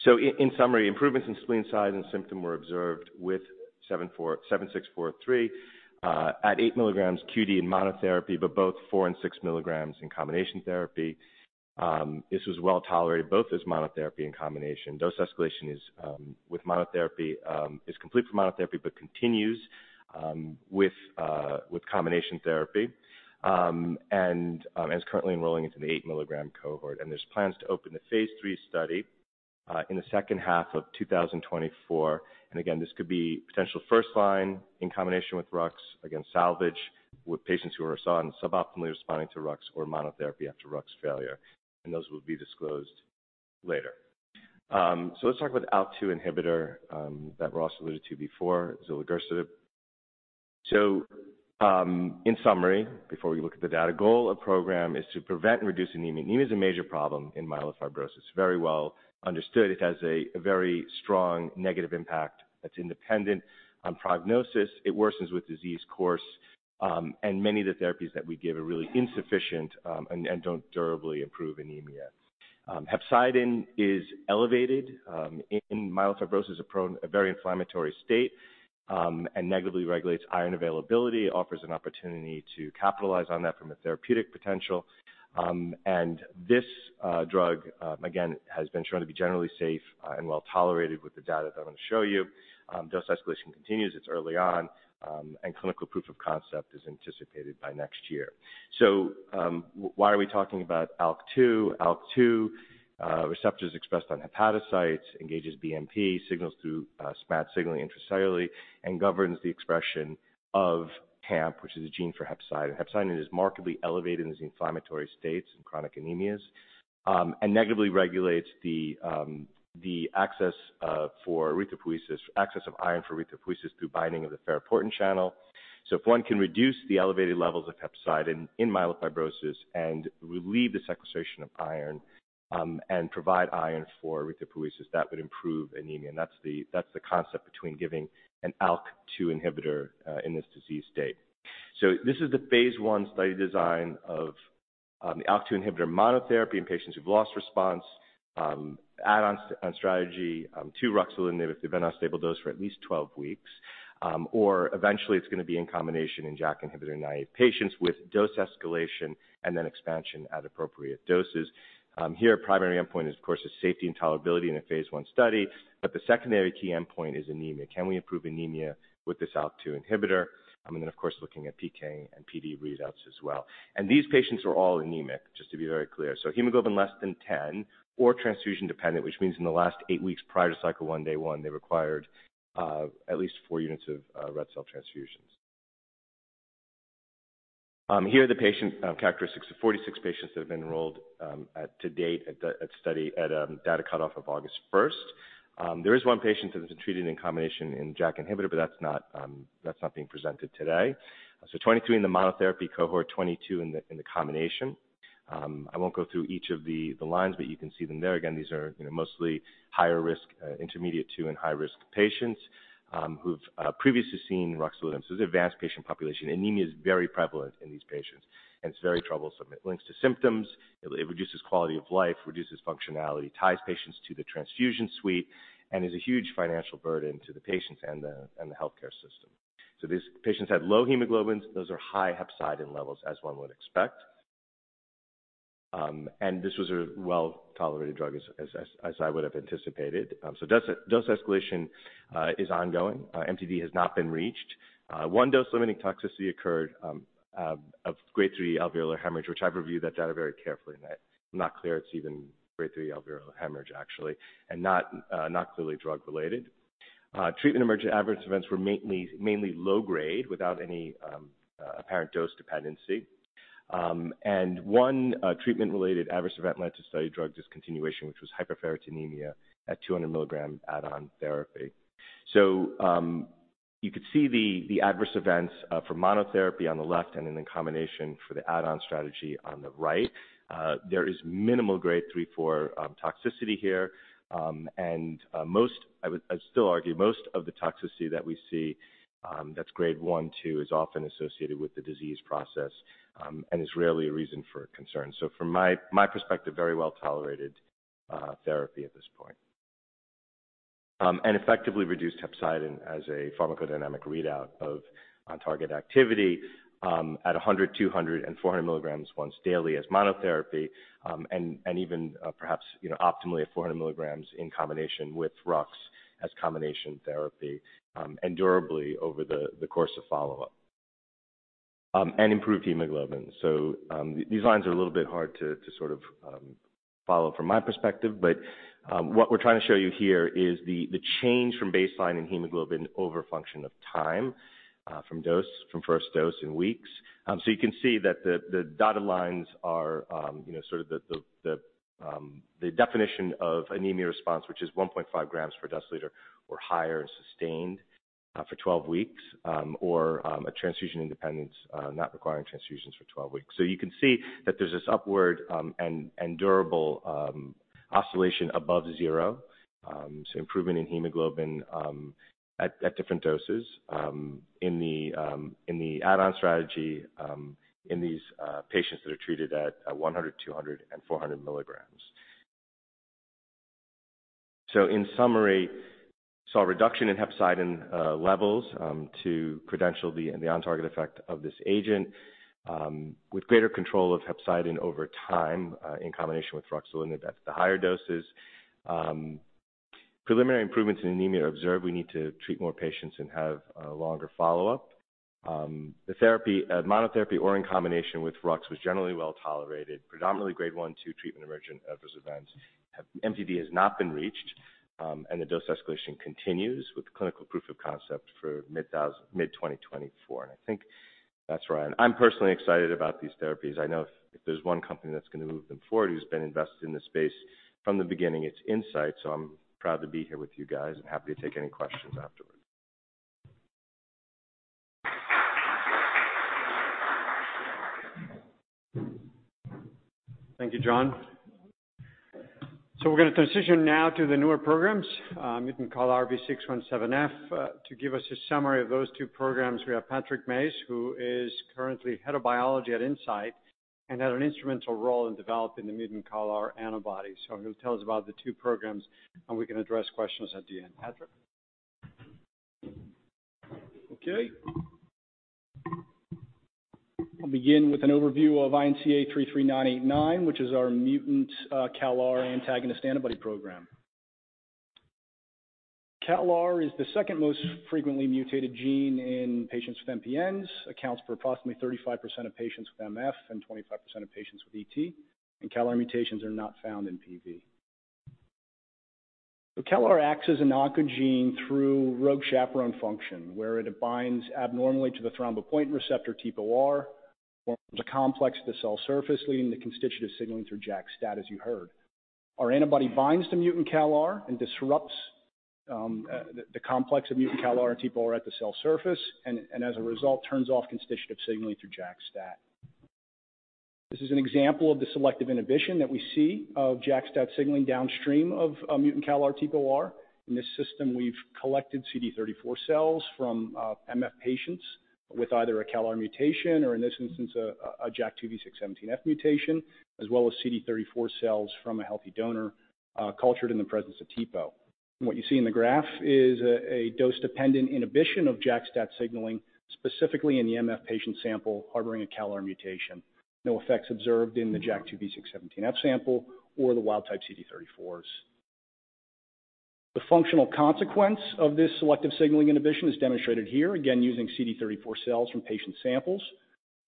So in summary, improvements in spleen size and symptoms were observed with INCB057643 at 8 mg QD in monotherapy, but both 4 and 6 mg in combination therapy. This was well tolerated, both as monotherapy and combination. Dose escalation is with monotherapy is complete for monotherapy, but continues with combination therapy. And it's currently enrolling into the 8-mg cohort, and there's plans to open the phase III study in the second half of 2024. And again, this could be potential first-line in combination with Rux, again, salvage, with patients who are saw and suboptimally responding to Rux or monotherapy after Rux failure, and those will be disclosed later. So let's talk about ALK2 inhibitor that Ross alluded to before, zilurgisertib. So, in summary, before we look at the data, goal of program is to prevent and reduce anemia. Anemia is a major problem in myelofibrosis. Very well understood. It has a very strong negative impact that's independent on prognosis. It worsens with disease course, and many of the therapies that we give are really insufficient, and don't durably improve anemia. Hepcidin is elevated in myelofibrosis, a very inflammatory state, and negatively regulates iron availability, offers an opportunity to capitalize on that from a therapeutic potential. And this drug, again, has been shown to be generally safe, and well-tolerated with the data that I'm going to show you. Dose escalation continues, it's early on, and clinical proof of concept is anticipated by next year. So, why are we talking about ALK2? ALK2 receptors expressed on hepatocytes engages BMP, signals through SMAD signaling intracellularly, and governs the expression of HAMP, which is a gene for hepcidin. Hepcidin is markedly elevated in these inflammatory states and chronic anemias and negatively regulates the access for erythropoiesis, access of iron for erythropoiesis through binding of the ferroportin channel. So if one can reduce the elevated levels of hepcidin in myelofibrosis and relieve the sequestration of iron and provide iron for erythropoiesis, that would improve anemia. And that's the concept between giving an ALK2 inhibitor in this disease state. So this is the phase I study design of the ALK2 inhibitor monotherapy in patients who've lost response, add-on strategy to ruxolitinib if they've been on a stable dose for at least 12 weeks. or eventually, it's going to be in combination in JAK-inhibitor-naive patients with dose escalation and then expansion at appropriate doses. Here, primary endpoint is, of course, the safety and tolerability in a phase I study, but the secondary key endpoint is anemia. Can we improve anemia with this ALK2 inhibitor? And then, of course, looking at PK and PD readouts as well. And these patients are all anemic, just to be very clear. So hemoglobin less than 10 or transfusion-dependent, which means in the last eight weeks prior to cycle one, day one, they required at least four units of red cell transfusions. Here are the patient characteristics of 46 patients that have been enrolled to date at the study data cutoff of August first. There is one patient that has been treated in combination in JAK inhibitor, but that's not, that's not being presented today. So 23 in the monotherapy cohort, 22 in the combination. I won't go through each of the lines, but you can see them there. Again, these are, you know, mostly higher risk, intermediate-2 and high-risk patients, who've previously seen ruxolitinib. So this is an advanced patient population. Anemia is very prevalent in these patients, and it's very troublesome. It links to symptoms, it reduces quality of life, reduces functionality, ties patients to the transfusion suite, and is a huge financial burden to the patients and the healthcare system. So these patients had low hemoglobins. Those are high hepcidin levels, as one would expect. This was a well-tolerated drug, as I would have anticipated. Dose escalation is ongoing. MTD has not been reached. One dose-limiting toxicity occurred of grade 3 alveolar hemorrhage, which I've reviewed that data very carefully, and I'm not clear it's even grade 3 alveolar hemorrhage, actually, and not clearly drug-related. Treatment-emergent adverse events were mainly low grade without any apparent dose dependency. One treatment-related adverse event led to study drug discontinuation, which was hyperferritinemia at 200 mg add-on therapy. You could see the adverse events for monotherapy on the left and in the combination for the add-on strategy on the right. There is minimal grade 3 for toxicity here. And most... I would, I'd still argue most of the toxicity that we see, that's grade 1, 2, is often associated with the disease process, and is rarely a reason for concern. So from my, my perspective, very well-tolerated, therapy at this point. And effectively reduced hepcidin as a pharmacodynamic readout of on-target activity, at 100, 200, and 400 mg once daily as monotherapy, and, and even, perhaps, you know, optimally at 400 mg in combination with Rux as combination therapy, and durably over the, the course of follow-up.... and improved hemoglobin. So, these lines are a little bit hard to, to sort of, follow from my perspective, but, what we're trying to show you here is the, the change from baseline in hemoglobin over function of time, from dose, from first dose in weeks. So you can see that the dotted lines are, you know, sort of the definition of anemia response, which is 1.5 grams per deciliter, or higher and sustained, for 12 weeks, or a transfusion independence, not requiring transfusions for 12 weeks. So you can see that there's this upward and durable oscillation above zero, so improvement in hemoglobin at different doses in the add-on strategy in these patients that are treated at 100 mg, 200 mg, and 400 mg. So in summary, saw a reduction in hepcidin levels to credential the on-target effect of this agent, with greater control of hepcidin over time in combination with ruxolitinib at the higher doses. Preliminary improvements in anemia observed, we need to treat more patients and have a longer follow-up. The therapy, monotherapy or in combination with Rux was generally well-tolerated, predominantly Grade 1 treatment-emergent adverse events. MTD has not been reached, and the dose escalation continues with the clinical proof of concept for mid-2024. I think that's right. I'm personally excited about these therapies. I know if, if there's one company that's going to move them forward, who's been invested in this space from the beginning, it's Incyte, so I'm proud to be here with you guys and happy to take any questions afterwards. Thank you, John. So we're going to transition now to the newer programs, mutant CALR V617F. To give us a summary of those two programs, we have Patrick Mayes, who is currently Head of Biology at Incyte and had an instrumental role in developing the mutant CALR antibody. So he'll tell us about the two programs, and we can address questions at the end. Patrick? Okay. I'll begin with an overview of INCA033989, which is our mutant CALR antagonist antibody program. CALR is the second most frequently mutated gene in patients with MPNs, accounts for approximately 35% of patients with MF and 25% of patients with ET, and CALR mutations are not found in PV. So CALR acts as an oncogene through rogue chaperone function, where it binds abnormally to the thrombopoietin receptor TpoR, forms a complex at the cell surface, leading to constitutive signaling through JAK-STAT, as you heard. Our antibody binds to mutant CALR and disrupts the complex of mutant CALR and TpoR at the cell surface, and as a result, turns off constitutive signaling through JAK-STAT. This is an example of the selective inhibition that we see of JAK-STAT signaling downstream of a mutant CALR TpoR. In this system, we've collected CD34 cells from MF patients with either a CALR mutation or, in this instance, a JAK2 V617F mutation, as well as CD34 cells from a healthy donor, cultured in the presence of TPO. What you see in the graph is a dose-dependent inhibition of JAK-STAT signaling, specifically in the MF patient sample harboring a CALR mutation. No effects observed in the JAK2 V617F sample or the wild-type CD34s. The functional consequence of this selective signaling inhibition is demonstrated here, again, using CD34 cells from patient samples.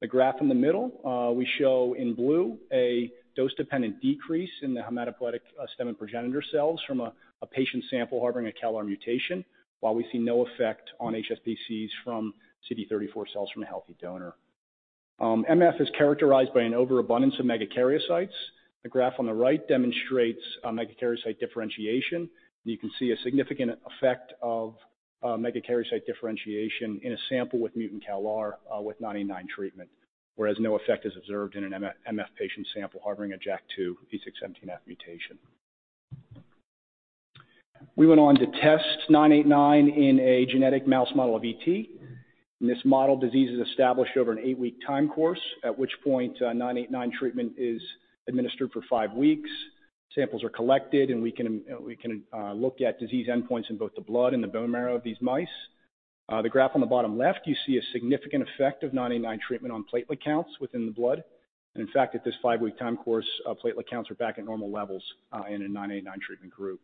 The graph in the middle, we show in blue a dose-dependent decrease in the hematopoietic stem and progenitor cells from a patient sample harboring a CALR mutation, while we see no effect on HSPCs from CD34 cells from a healthy donor. MF is characterized by an overabundance of megakaryocytes. The graph on the right demonstrates a megakaryocyte differentiation, and you can see a significant effect of megakaryocyte differentiation in a sample with mutant CALR with INCA033989 treatment, whereas no effect is observed in an MF patient sample harboring a JAK2 V617F mutation. We went on to test INCA033989 in a genetic mouse model of ET. In this model, disease is established over an 8-week time course, at which point INCA033989 treatment is administered for 5 weeks. Samples are collected, and we can look at disease endpoints in both the blood and the bone marrow of these mice. The graph on the bottom left, you see a significant effect of INCA033989 treatment on platelet counts within the blood. And in fact, at this five-week time course, platelet counts are back at normal levels, in a 989 treatment group.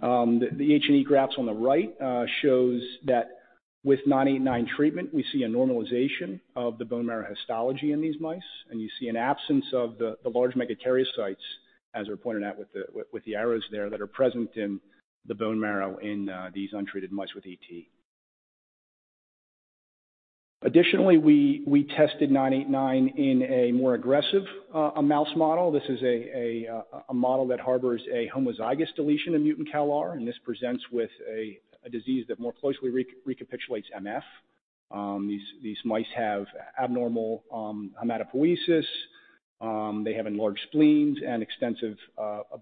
The H&E graphs on the right shows that with 989 treatment, we see a normalization of the bone marrow histology in these mice, and you see an absence of the large megakaryocytes, as we're pointed out with the arrows there, that are present in the bone marrow in these untreated mice with ET. Additionally, we tested 989 in a more aggressive mouse model. This is a model that harbors a homozygous deletion of mutant CALR, and this presents with a disease that more closely recapitulates MF. These mice have abnormal hematopoiesis. They have enlarged spleens and extensive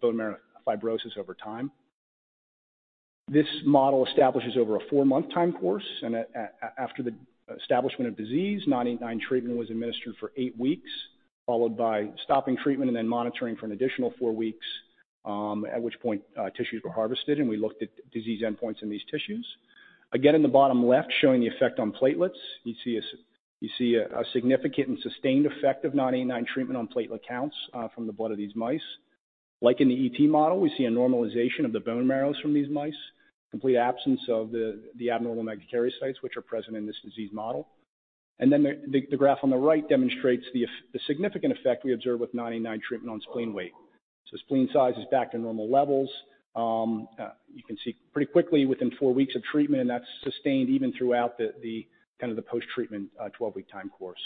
bone marrow fibrosis over time. This model establishes over a 4-month time course, and after the establishment of disease, 989 treatment was administered for 8 weeks, followed by stopping treatment and then monitoring for an additional 4 weeks, at which point, tissues were harvested, and we looked at disease endpoints in these tissues. Again, in the bottom left, showing the effect on platelets, you see a significant and sustained effect of 989 treatment on platelet counts from the blood of these mice. Like in the ET model, we see a normalization of the bone marrows from these mice. Complete absence of the abnormal megakaryocytes, which are present in this disease model. And then the graph on the right demonstrates the significant effect we observe with 989 treatment on spleen weight. So spleen size is back to normal levels. You can see pretty quickly within 4 weeks of treatment, and that's sustained even throughout the post-treatment 12-week time course.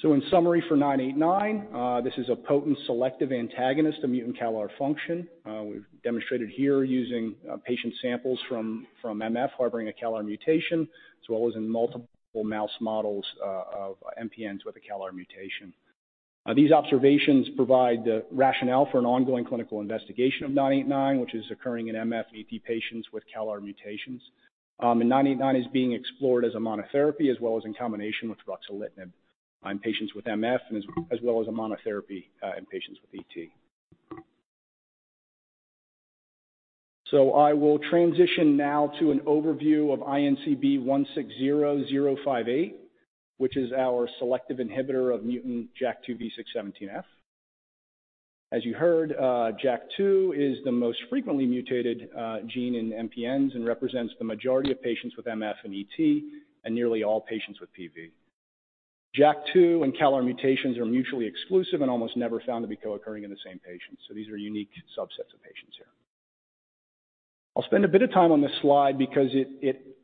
So in summary, for 989, this is a potent selective antagonist of mutant CALR function. We've demonstrated here using patient samples from MF harboring a CALR mutation, as well as in multiple mouse models of MPNs with a CALR mutation. These observations provide the rationale for an ongoing clinical investigation of 989, which is occurring in MF ET patients with CALR mutations. And 989 is being explored as a monotherapy, as well as in combination with ruxolitinib in patients with MF, and as well as a monotherapy in patients with ET. So I will transition now to an overview of INCB160058, which is our selective inhibitor of mutant JAK2 V617F. As you heard, JAK2 is the most frequently mutated gene in MPNs and represents the majority of patients with MF and ET, and nearly all patients with PV. JAK2 and CALR mutations are mutually exclusive and almost never found to be co-occurring in the same patient, so these are unique subsets of patients here. I'll spend a bit of time on this slide because it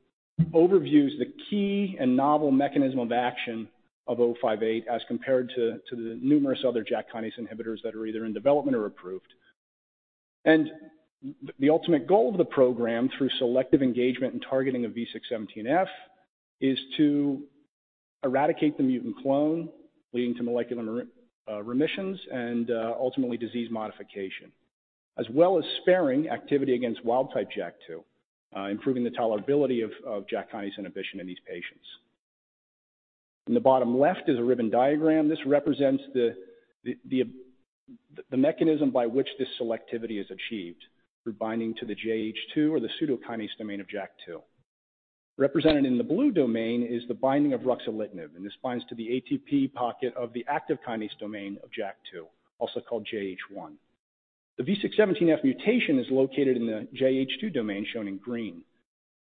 overviews the key and novel mechanism of action of O58 as compared to the numerous other JAK kinase inhibitors that are either in development or approved. And the ultimate goal of the program, through selective engagement and targeting of V617F, is to eradicate the mutant clone, leading to molecular remissions and ultimately disease modification. As well as sparing activity against wild-type JAK2, improving the tolerability of JAK kinase inhibition in these patients. In the bottom left is a ribbon diagram. This represents the mechanism by which this selectivity is achieved through binding to the JH2 or the pseudokinase domain of JAK2. Represented in the blue domain is the binding of ruxolitinib, and this binds to the ATP pocket of the active kinase domain of JAK2, also called JH1. The V617F mutation is located in the JH2 domain, shown in green.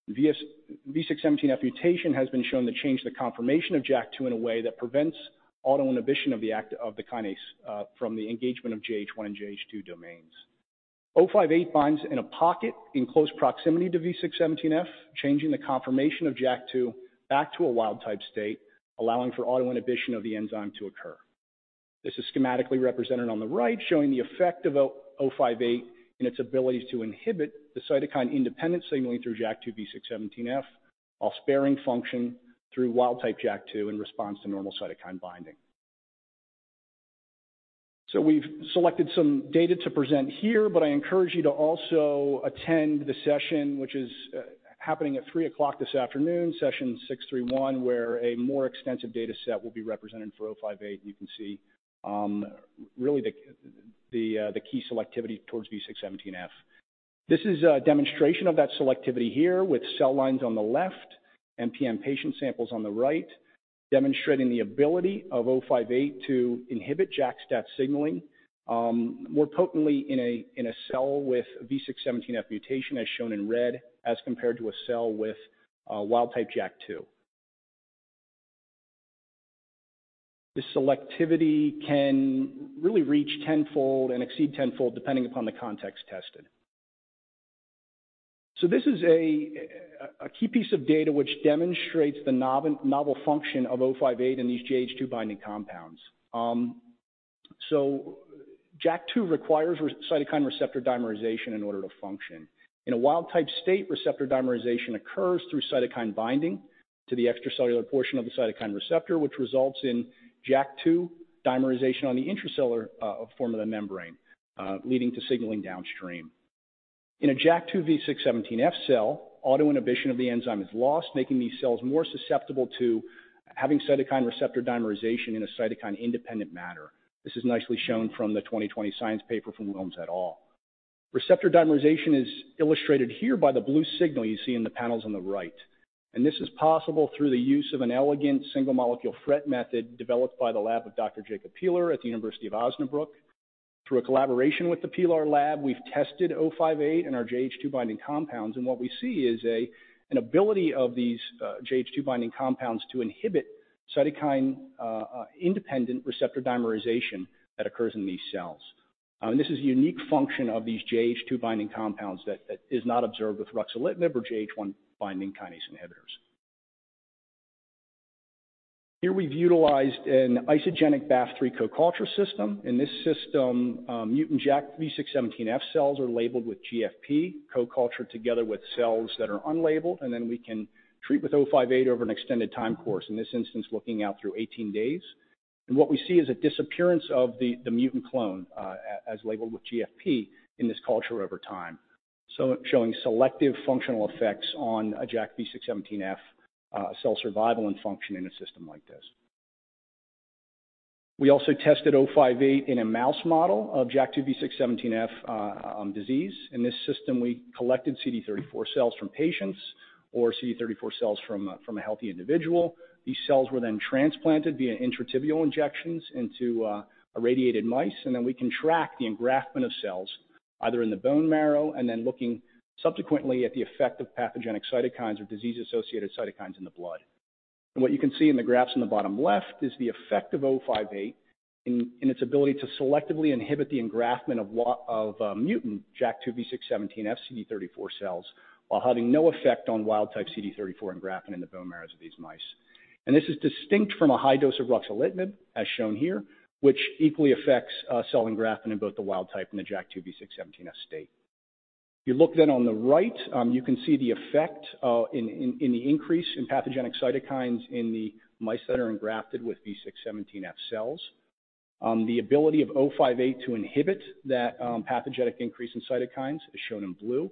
The V617F mutation has been shown to change the conformation of JAK2 in a way that prevents auto inhibition of the active kinase from the engagement of JH1 and JH2 domains. INCB160058 binds in a pocket in close proximity to V617F, changing the conformation of JAK2 back to a wild-type state, allowing for auto inhibition of the enzyme to occur. This is schematically represented on the right, showing the effect of INCB160058 and its ability to inhibit the cytokine-independent signaling through JAK2 V617F, while sparing function through wild-type JAK2 in response to normal cytokine binding. So we've selected some data to present here, but I encourage you to also attend the session, which is happening at 3:00 P.M. this afternoon, session 631, where a more extensive data set will be represented for INCB160058. You can see really the key selectivity towards V617F. This is a demonstration of that selectivity here with cell lines on the left, MPN patient samples on the right, demonstrating the ability of O58 to inhibit JAK-STAT signaling more potently in a cell with V617F mutation, as shown in red, as compared to a cell with a wild-type JAK2. The selectivity can really reach tenfold and exceed tenfold, depending upon the context tested. So this is a key piece of data which demonstrates the novel function of O58 in these JH2 binding compounds. So JAK2 requires cytokine receptor dimerization in order to function. In a wild-type state, receptor dimerization occurs through cytokine binding to the extracellular portion of the cytokine receptor, which results in JAK2 dimerization on the intracellular form of the membrane, leading to signaling downstream. In a JAK2 V617F cell, auto inhibition of the enzyme is lost, making these cells more susceptible to having cytokine receptor dimerization in a cytokine-independent manner. This is nicely shown from the 2020 Science paper from Wilmes et al. Receptor dimerization is illustrated here by the blue signal you see in the panels on the right, and this is possible through the use of an elegant single-molecule FRET method developed by the lab of Dr. Jacob Piehler at the University of Osnabrück. Through a collaboration with the Piehler lab, we've tested O58 and our JH2 binding compounds, and what we see is a, an ability of these, JH2 binding compounds to inhibit cytokine, independent receptor dimerization that occurs in these cells. And this is a unique function of these JH2 binding compounds that, that is not observed with ruxolitinib or JH1 binding kinase inhibitors. Here we've utilized an isogenic Ba/F3 co-culture system. In this system, mutant JAK2 V617F cells are labeled with GFP, co-cultured together with cells that are unlabeled, and then we can treat with O58 over an extended time course, in this instance, looking out through 18 days. And what we see is a disappearance of the mutant clone as labeled with GFP in this culture over time. So showing selective functional effects on a JAK2 V617F cell survival and function in a system like this. We also tested O58 in a mouse model of JAK2 V617F disease. In this system, we collected CD34 cells from patients or CD34 cells from a healthy individual. These cells were then transplanted via intratibial injections into irradiated mice, and then we can track the engraftment of cells, either in the bone marrow and then looking subsequently at the effect of pathogenic cytokines or disease-associated cytokines in the blood. And what you can see in the graphs on the bottom left is the effect of INCB160058 in its ability to selectively inhibit the engraftment of mutant JAK2 V617F CD34 cells, while having no effect on wild type CD34 engraftment in the bone marrows of these mice. And this is distinct from a high dose of ruxolitinib, as shown here, which equally affects cell engraftment in both the wild type and the JAK2 V617F state. If you look then on the right, you can see the effect in the increase in pathogenic cytokines in the mice that are engrafted with V617F cells. The ability of INCB160058 to inhibit that pathogenic increase in cytokines is shown in blue.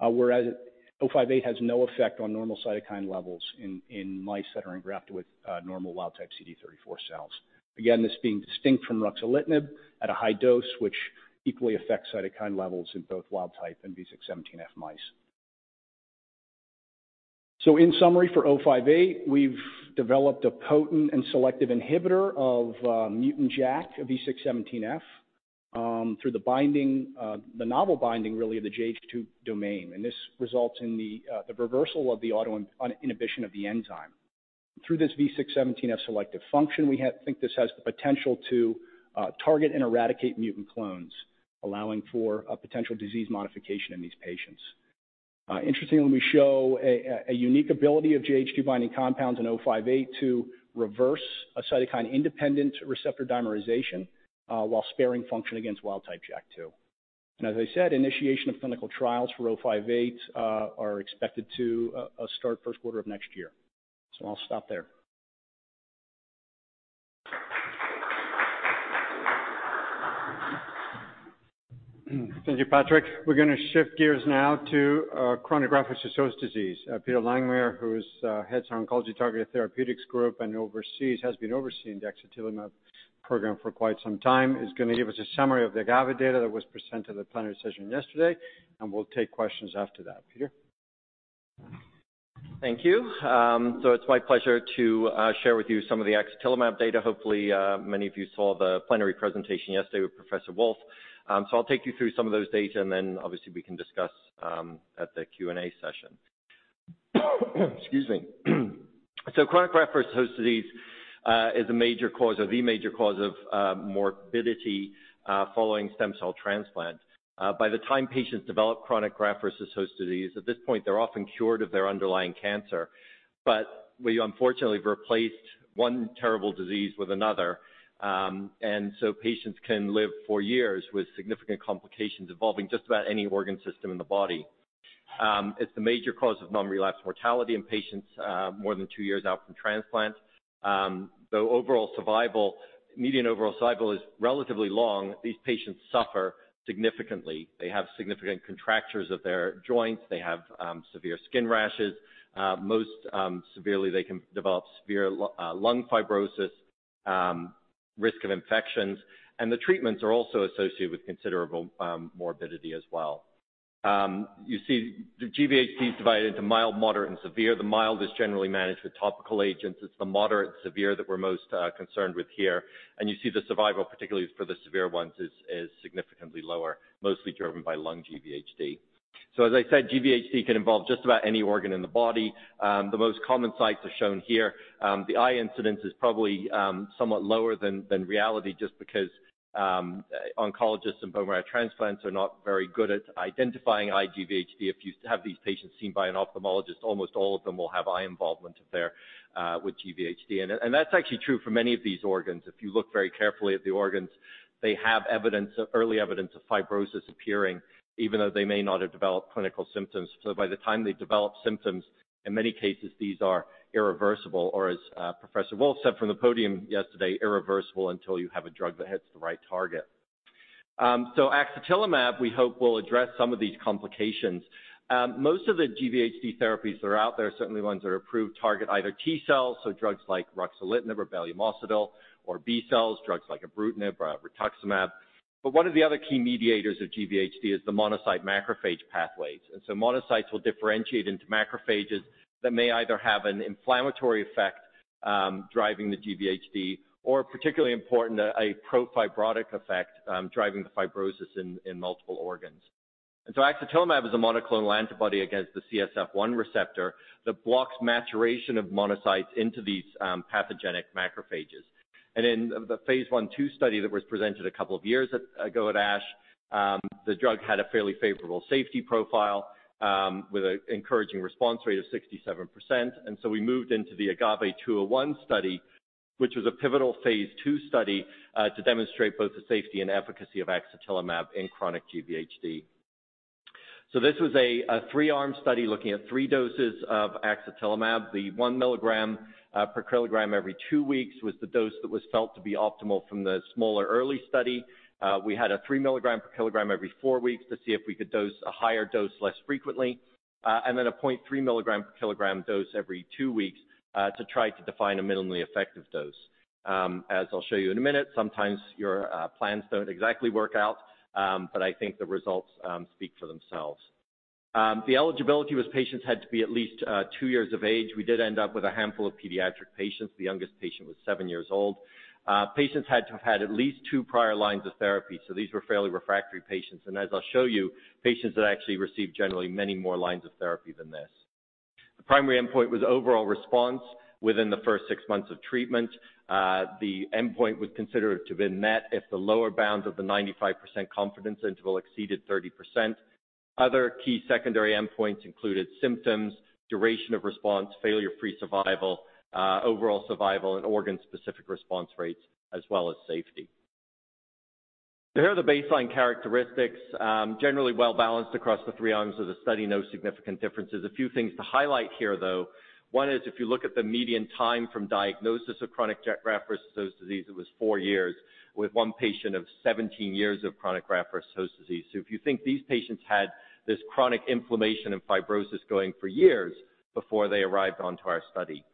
Whereas INCB160058 has no effect on normal cytokine levels in mice that are engrafted with normal wild type CD34 cells. Again, this being distinct from ruxolitinib at a high dose, which equally affects cytokine levels in both wild type and V617F mice. So in summary, for INCB160058, we've developed a potent and selective inhibitor of mutant JAK V617F through the binding, the novel binding, really, of the JH2 domain. And this results in the reversal of the auto inhibition of the enzyme. Through this V617F selective function, think this has the potential to target and eradicate mutant clones, allowing for a potential disease modification in these patients. Interestingly, we show a unique ability of JH2 binding compounds in INCB160058 to reverse a cytokine-independent receptor dimerization, while sparing function against wild type JAK2. And as I said, initiation of clinical trials for INCB160058 are expected to start first quarter of next year. So I'll stop there. Thank you, Patrick. We're gonna shift gears now to chronic graft-versus-host disease. Peter Langmuir, who's heads our Oncology Targeted Therapeutics group and oversees, has been overseeing the axatilimab program for quite some time, is gonna give us a summary of the AGAVE data that was presented at the plenary session yesterday, and we'll take questions after that. Peter? Thank you. So it's my pleasure to share with you some of the axatilimab data. Hopefully, many of you saw the plenary presentation yesterday with Professor Wolff. So I'll take you through some of those data, and then obviously, we can discuss at the Q&A session. Excuse me. So chronic graft-versus-host disease is a major cause, or the major cause of morbidity following stem cell transplant. By the time patients develop chronic graft-versus-host disease, at this point, they're often cured of their underlying cancer. But we unfortunately replaced one terrible disease with another. And so patients can live for years with significant complications involving just about any organ system in the body. It's the major cause of non-relapse mortality in patients more than two years out from transplant. Though overall survival, median overall survival, is relatively long, these patients suffer significantly. They have significant contractures of their joints, they have severe skin rashes. Most severely, they can develop severe lung fibrosis, risk of infections, and the treatments are also associated with considerable morbidity as well. You see, the GVHD is divided into mild, moderate, and severe. The mild is generally managed with topical agents. It's the moderate and severe that we're most concerned with here, and you see the survival, particularly for the severe ones, is significantly lower, mostly driven by lung GVHD. So as I said, GVHD can involve just about any organ in the body. The most common sites are shown here. The eye incidence is probably somewhat lower than reality just because oncologists and bone marrow transplants are not very good at identifying eye GVHD. If you have these patients seen by an ophthalmologist, almost all of them will have eye involvement if they're with GVHD. And that's actually true for many of these organs. If you look very carefully at the organs, they have evidence of early evidence of fibrosis appearing, even though they may not have developed clinical symptoms. So by the time they develop symptoms, in many cases, these are irreversible, or as Professor Wolff said from the podium yesterday, irreversible until you have a drug that hits the right target. So axatilimab, we hope, will address some of these complications. Most of the GVHD therapies that are out there, certainly ones that are approved, target either T cells, so drugs like ruxolitinib or belumosudil, or B cells, drugs like ibrutinib or rituximab. But one of the other key mediators of GVHD is the monocyte-macrophage pathways. And so monocytes will differentiate into macrophages that may either have an inflammatory effect, driving the GVHD, or particularly important, a pro-fibrotic effect, driving the fibrosis in multiple organs. And so axatilimab is a monoclonal antibody against the CSF1 receptor that blocks maturation of monocytes into these pathogenic macrophages. In the phase I/II study that was presented a couple of years ago at ASH, the drug had a fairly favorable safety profile, with an encouraging response rate of 67%. We moved into the AGAVE-201 study, which was a pivotal phase II study to demonstrate both the safety and efficacy of axatilimab in chronic GVHD. This was a 3-arm study looking at three doses of axatilimab. The 1 mg/kg every two weeks was the dose that was felt to be optimal from the smaller early study. We had a 3 mg/kg every four weeks to see if we could dose a higher dose less frequently, and then a 0.3 mg/kg dose every two weeks to try to define a minimally effective dose. As I'll show you in a minute, sometimes your plans don't exactly work out, but I think the results speak for themselves.... The eligibility was patients had to be at least two years of age. We did end up with a handful of pediatric patients. The youngest patient was seven years old. Patients had to have had at least two prior lines of therapy, so these were fairly refractory patients. As I'll show you, patients that actually received generally many more lines of therapy than this. The primary endpoint was overall response within the first 6 months of treatment. The endpoint was considered to have been met if the lower bounds of the 95% confidence interval exceeded 30%. Other key secondary endpoints included symptoms, duration of response, failure-free survival, overall survival, and organ-specific response rates, as well as safety. Here are the baseline characteristics. Generally well-balanced across the three arms of the study, no significant differences. A few things to highlight here, though. One is, if you look at the median time from diagnosis of chronic graft-versus-host disease, it was four years, with one patient of 17 years of chronic graft-versus-host disease. So if you think, these patients had this chronic inflammation and fibrosis going for years before they arrived onto our study.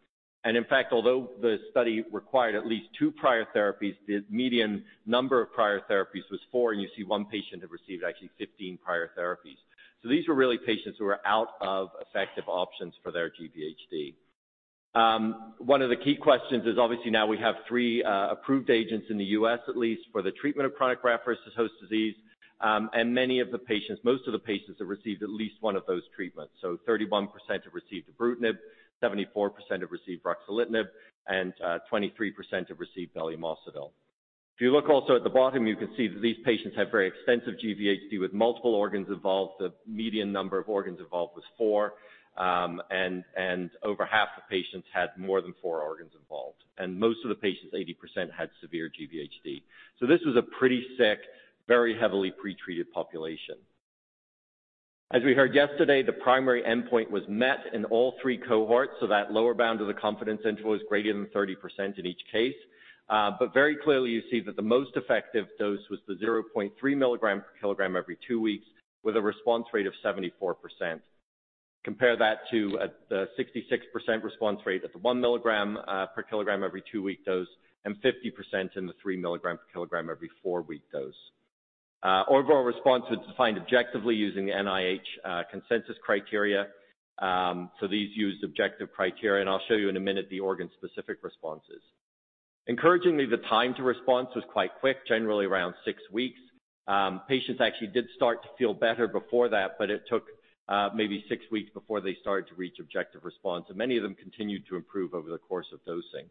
And in fact, although the study required at least two prior therapies, the median number of prior therapies was four, and you see one patient had received actually 15 prior therapies. So these were really patients who were out of effective options for their GVHD. One of the key questions is obviously now we have three approved agents in the U.S., at least for the treatment of chronic graft-versus-host disease. And many of the patients, most of the patients have received at least one of those treatments. So 31% have received ibrutinib, 74% have received ruxolitinib, and twenty-three percent have received belumosudil. If you look also at the bottom, you can see that these patients have very extensive GVHD with multiple organs involved. The median number of organs involved was four, and, and over half the patients had more than four organs involved. And most of the patients, 80%, had severe GVHD. So this was a pretty sick, very heavily pretreated population. As we heard yesterday, the primary endpoint was met in all three cohorts, so that lower bound of the confidence interval is greater than 30% in each case. But very clearly, you see that the most effective dose was the 0.3 mg/kg every two weeks, with a response rate of 74%. Compare that to the 66% response rate at the 1 mg/kg every 2-week dose, and 50% in the 3 mg/kg every 4-week dose. Overall response was defined objectively using the NIH consensus criteria. So these used objective criteria, and I'll show you in a minute, the organ-specific responses. Encouragingly, the time to response was quite quick, generally around 6 weeks. Patients actually did start to feel better before that, but it took maybe 6 weeks before they started to reach objective response, and many of them continued to improve over the course of dosing.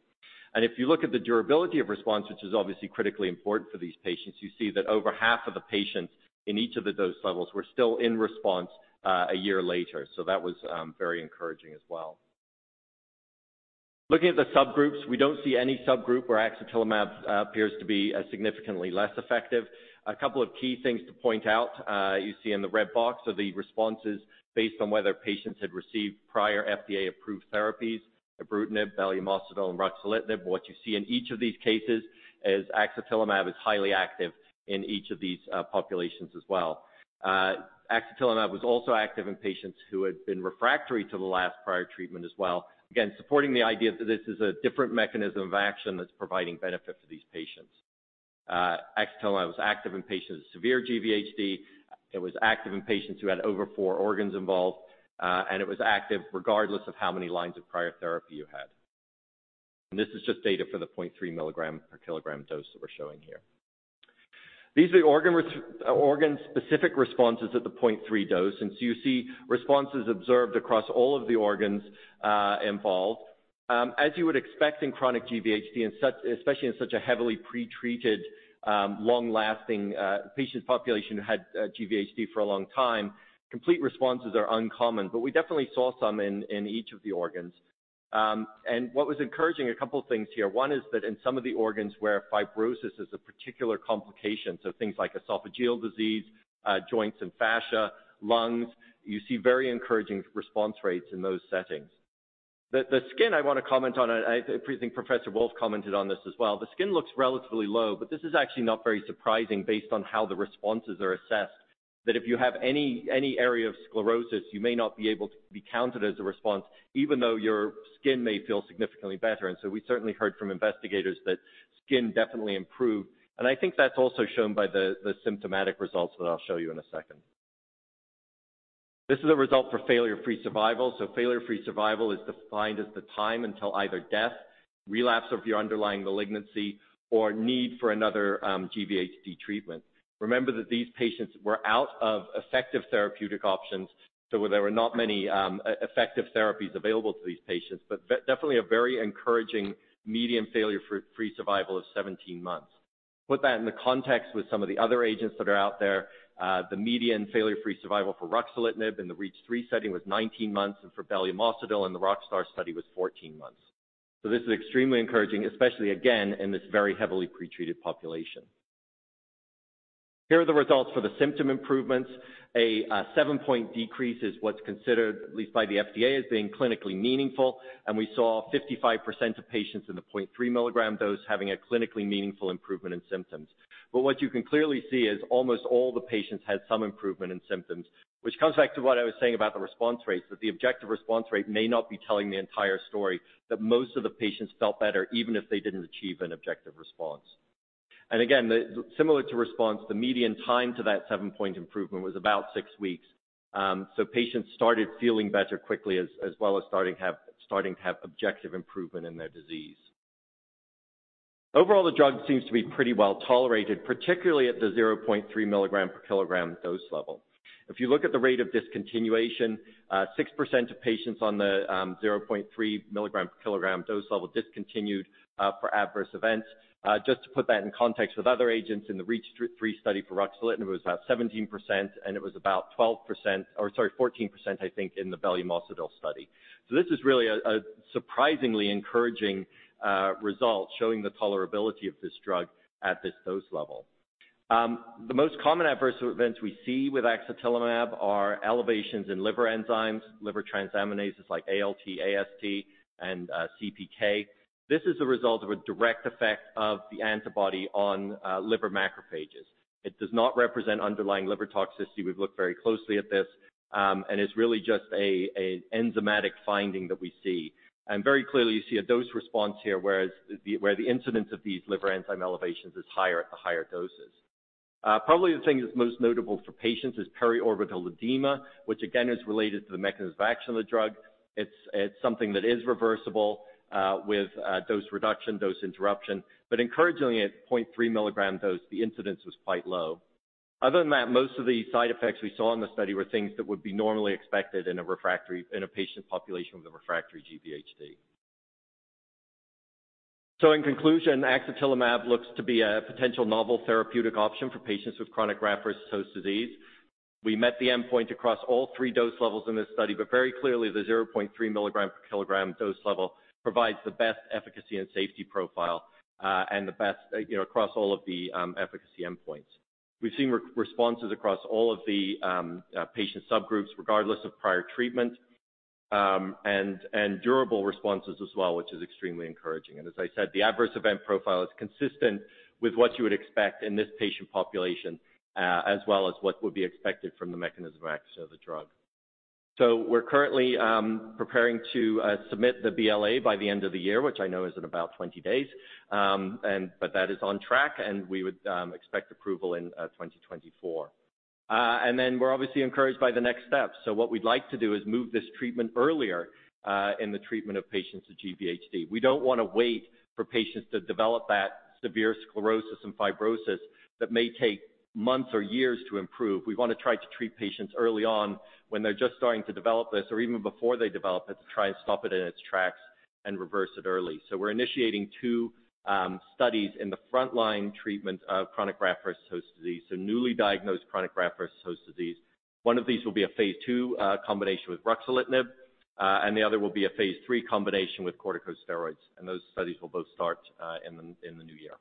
If you look at the durability of response, which is obviously critically important for these patients, you see that over half of the patients in each of the dose levels were still in response a year later. So that was very encouraging as well. Looking at the subgroups, we don't see any subgroup where axatilimab appears to be significantly less effective. A couple of key things to point out, you see in the red box, so the responses based on whether patients had received prior FDA-approved therapies, ibrutinib, belumosudil, and ruxolitinib. What you see in each of these cases is axatilimab is highly active in each of these populations as well. Axatilimab was also active in patients who had been refractory to the last prior treatment as well. Again, supporting the idea that this is a different mechanism of action that's providing benefit to these patients. Axatilimab was active in patients with severe GVHD, it was active in patients who had over four organs involved, and it was active regardless of how many lines of prior therapy you had. This is just data for the 0.3 mg/kg dose that we're showing here. These are the organ-specific responses at the 0.3 dose, and so you see responses observed across all of the organs involved. As you would expect in chronic GVHD, especially in such a heavily pretreated, long-lasting patient population who had GVHD for a long time, complete responses are uncommon, but we definitely saw some in each of the organs. And what was encouraging, a couple of things here. One is that in some of the organs where fibrosis is a particular complication, so things like esophageal disease, joints and fascia, lungs, you see very encouraging response rates in those settings. The skin I want to comment on, and I think Professor Wolff commented on this as well. The skin looks relatively low, but this is actually not very surprising based on how the responses are assessed, that if you have any area of sclerosis, you may not be able to be counted as a response, even though your skin may feel significantly better. So we certainly heard from investigators that skin definitely improved, and I think that's also shown by the symptomatic results that I'll show you in a second. This is a result for failure-free survival. Failure-free survival is defined as the time until either death, relapse of your underlying malignancy, or need for another GVHD treatment. Remember that these patients were out of effective therapeutic options, so there were not many effective therapies available to these patients, but definitely a very encouraging median failure-free survival of 17 months. Put that in the context with some of the other agents that are out there, the median failure-free survival for ruxolitinib in the REACH3 study was 19 months, and for belumosudil in the ROCKSTAR study was 14 months. So this is extremely encouraging, especially again, in this very heavily pretreated population. Here are the results for the symptom improvements. A 7-point decrease is what's considered, at least by the FDA, as being clinically meaningful, and we saw 55% of patients in the 0.3 mg dose having a clinically meaningful improvement in symptoms. But what you can clearly see is almost all the patients had some improvement in symptoms, which comes back to what I was saying about the response rates, that the objective response rate may not be telling the entire story, that most of the patients felt better, even if they didn't achieve an objective response. And again, the similar to response, the median time to that 7-point improvement was about 6 weeks. So patients started feeling better quickly as well as starting to have objective improvement in their disease. Overall, the drug seems to be pretty well tolerated, particularly at the 0.3 mg/kg dose level. If you look at the rate of discontinuation, 6% of patients on the 0.3 mg/kg dose level discontinued for adverse events. Just to put that in context with other agents in the REACH3 study for ruxolitinib was about 17%, and it was about 12%, or sorry, 14%, I think, in the belumosudil study. So this is really a surprisingly encouraging result showing the tolerability of this drug at this dose level. The most common adverse events we see with axatilimab are elevations in liver enzymes, liver transaminases like ALT, AST, and CPK. This is a result of a direct effect of the antibody on liver macrophages. It does not represent underlying liver toxicity. We've looked very closely at this, and it's really just a enzymatic finding that we see. And very clearly, you see a dose response here, where the incidence of these liver enzyme elevations is higher at the higher doses. Probably the thing that's most notable for patients is periorbital edema, which again is related to the mechanism of action of the drug. It's something that is reversible with dose reduction, dose interruption, but encouragingly, at 0.3 mg dose, the incidence was quite low. Other than that, most of the side effects we saw in the study were things that would be normally expected in a refractory in a patient population with a refractory GVHD. So in conclusion, axatilimab looks to be a potential novel therapeutic option for patients with chronic graft-versus-host disease. We met the endpoint across all 3 dose levels in this study, but very clearly, the 0.3 mg/kg dose level provides the best efficacy and safety profile, and the best, you know, across all of the efficacy endpoints. We've seen responses across all of the patient subgroups, regardless of prior treatment, and durable responses as well, which is extremely encouraging. As I said, the adverse event profile is consistent with what you would expect in this patient population, as well as what would be expected from the mechanism of action of the drug. So we're currently preparing to submit the BLA by the end of the year, which I know is in about 20 days, and but that is on track, and we would expect approval in 2024. And then we're obviously encouraged by the next steps. So what we'd like to do is move this treatment earlier in the treatment of patients with GVHD. We don't want to wait for patients to develop that severe sclerosis and fibrosis that may take months or years to improve. We want to try to treat patients early on when they're just starting to develop this or even before they develop it, to try and stop it in its tracks and reverse it early. So we're initiating two studies in the frontline treatment of chronic graft-versus-host disease, so newly diagnosed chronic graft-versus-host disease. One of these will be a phase II combination with ruxolitinib, and the other will be a phase III combination with corticosteroids, and those studies will both start in the new year.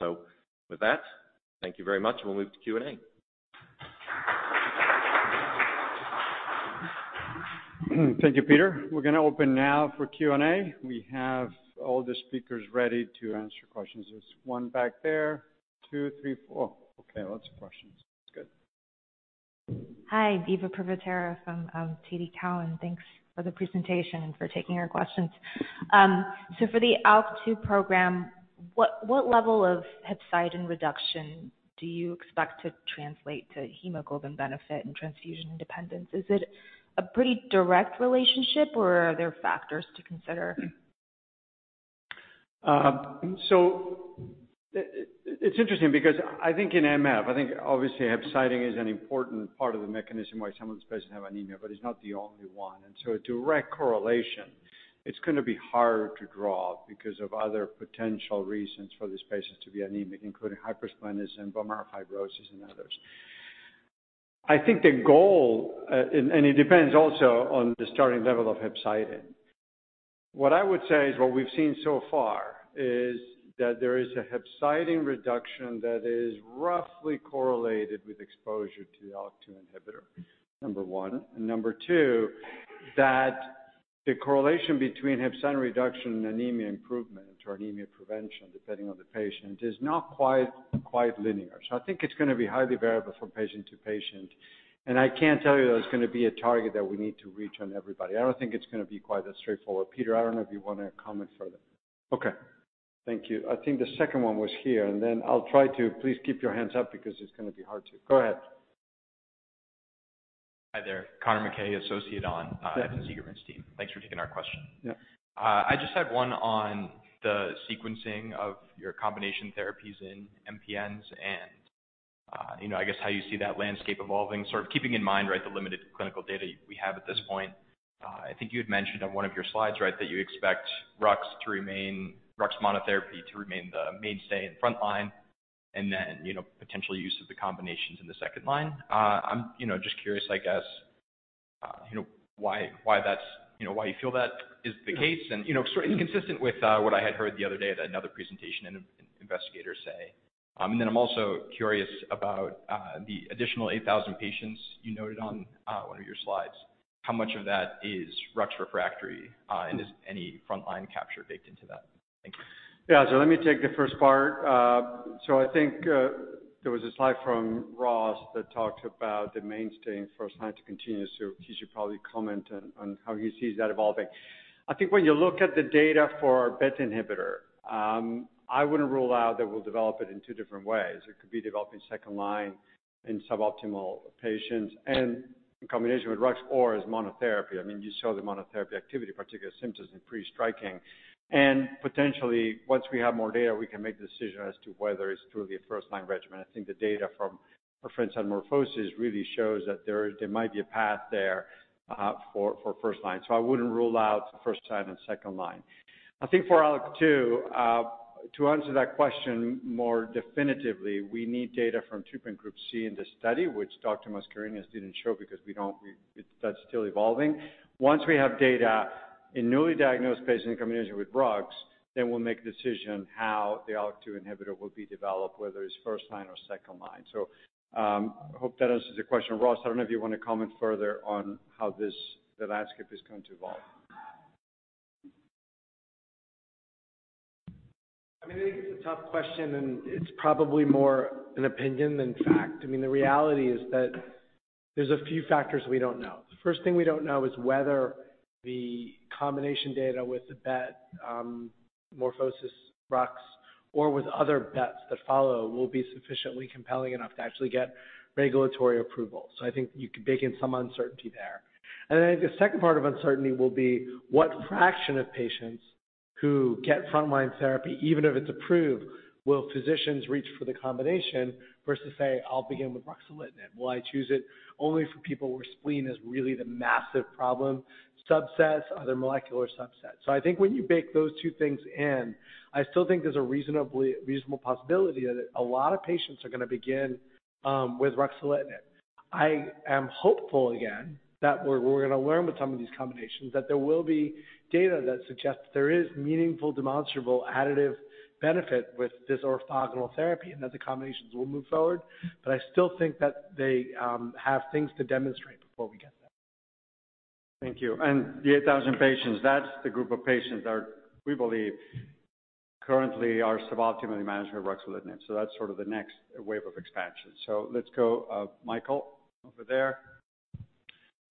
So with that, thank you very much, and we'll move to Q&A. Thank you, Peter. We're going to open now for Q&A. We have all the speakers ready to answer questions. There's one back there. Two, three, four. Okay, lots of questions. That's good. Hi, Eva Privitera from TD Cowen. Thanks for the presentation and for taking our questions. For the ALK2 program, what, what level of hepcidin reduction do you expect to translate to hemoglobin benefit and transfusion independence? Is it a pretty direct relationship, or are there factors to consider? So it's interesting because I think in MF, I think obviously hepcidin is an important part of the mechanism why some of these patients have anemia, but it's not the only one. And so a direct correlation, it's going to be hard to draw because of other potential reasons for these patients to be anemic, including hypersplenism, bone marrow fibrosis, and others. I think the goal, and it depends also on the starting level of hepcidin. What I would say is, what we've seen so far is that there is a hepcidin reduction that is roughly correlated with exposure to the ALK2 inhibitor, number one. And number two, that the correlation between hepcidin reduction and anemia improvement or anemia prevention, depending on the patient, is not quite, quite linear. So I think it's gonna be highly variable from patient to patient, and I can't tell you there's gonna be a target that we need to reach on everybody. I don't think it's gonna be quite that straightforward. Peter, I don't know if you want to comment further. Okay, thank you. I think the second one was here, and then I'll try to... Please keep your hands up because it's gonna be hard to - Go ahead. Hi there, Conor MacKay, associate on the Seigerman's team. Yeah. Thanks for taking our question. Yeah. I just had one on the sequencing of your combination therapies in MPNs and, you know, I guess how you see that landscape evolving, sort of keeping in mind, right, the limited clinical data we have at this point. I think you had mentioned on one of your slides, right, that you expect Rux to remain, Rux monotherapy to remain the mainstay in frontline, and then, you know, potential use of the combinations in the second line. I'm, you know, just curious, I guess, you know, why, why that's, you know, why you feel that is the case? Yeah. You know, sort of consistent with what I had heard the other day at another presentation and investigators say. Then I'm also curious about the additional 8,000 patients you noted on one of your slides. how much of that is Rux refractory, and is any frontline capture baked into that? Thank you. Yeah, so let me take the first part. So I think, there was a slide from Ross that talked about the mainstay in first line to continuous, so he should probably comment on, on how he sees that evolving. I think when you look at the data for BET inhibitor, I wouldn't rule out that we'll develop it in two different ways. It could be developed in second line, in suboptimal patients and in combination with Rux or as monotherapy. I mean, you saw the monotherapy activity, particular symptoms is pretty striking. And potentially, once we have more data, we can make a decision as to whether it's truly a first-line regimen. I think the data from, for instance, on MorphoSys, really shows that there, there might be a path there, for first line. So I wouldn't rule out first line and second line. I think for ALK2, to answer that question more definitively, we need data from LIMBER Group C in the study, which Dr. Mascarenhas didn't show because we don't – it's still evolving. Once we have data in newly diagnosed patients in combination with drugs, then we'll make a decision how the ALK2 inhibitor will be developed, whether it's first line or second line. So, I hope that answers your question. Ross, I don't know if you want to comment further on how this, the landscape is going to evolve. I mean, I think it's a tough question, and it's probably more an opinion than fact. I mean, the reality is that there's a few factors we don't know. The first thing we don't know is whether the combination data with the BET, MorphoSys, Rux, or with other BETs that follow, will be sufficiently compelling enough to actually get regulatory approval. So I think you can bake in some uncertainty there. And then the second part of uncertainty will be what fraction of patients who get frontline therapy, even if it's approved, will physicians reach for the combination versus say, "I'll begin with ruxolitinib. Will I choose it only for people where spleen is really the massive problem, subsets, other molecular subsets?" So I think when you bake those two things in, I still think there's a reasonably reasonable possibility that a lot of patients are going to begin with ruxolitinib. I am hopeful again, that we're, we're going to learn with some of these combinations, that there will be data that suggests there is meaningful, demonstrable, additive benefit with this orthogonal therapy and that the combinations will move forward. But I still think that they have things to demonstrate before we get there. Thank you. And the 8,000 patients, that's the group of patients are, we believe, currently are suboptimally managed with ruxolitinib. So that's sort of the next wave of expansion. So let's go, Michael, over there.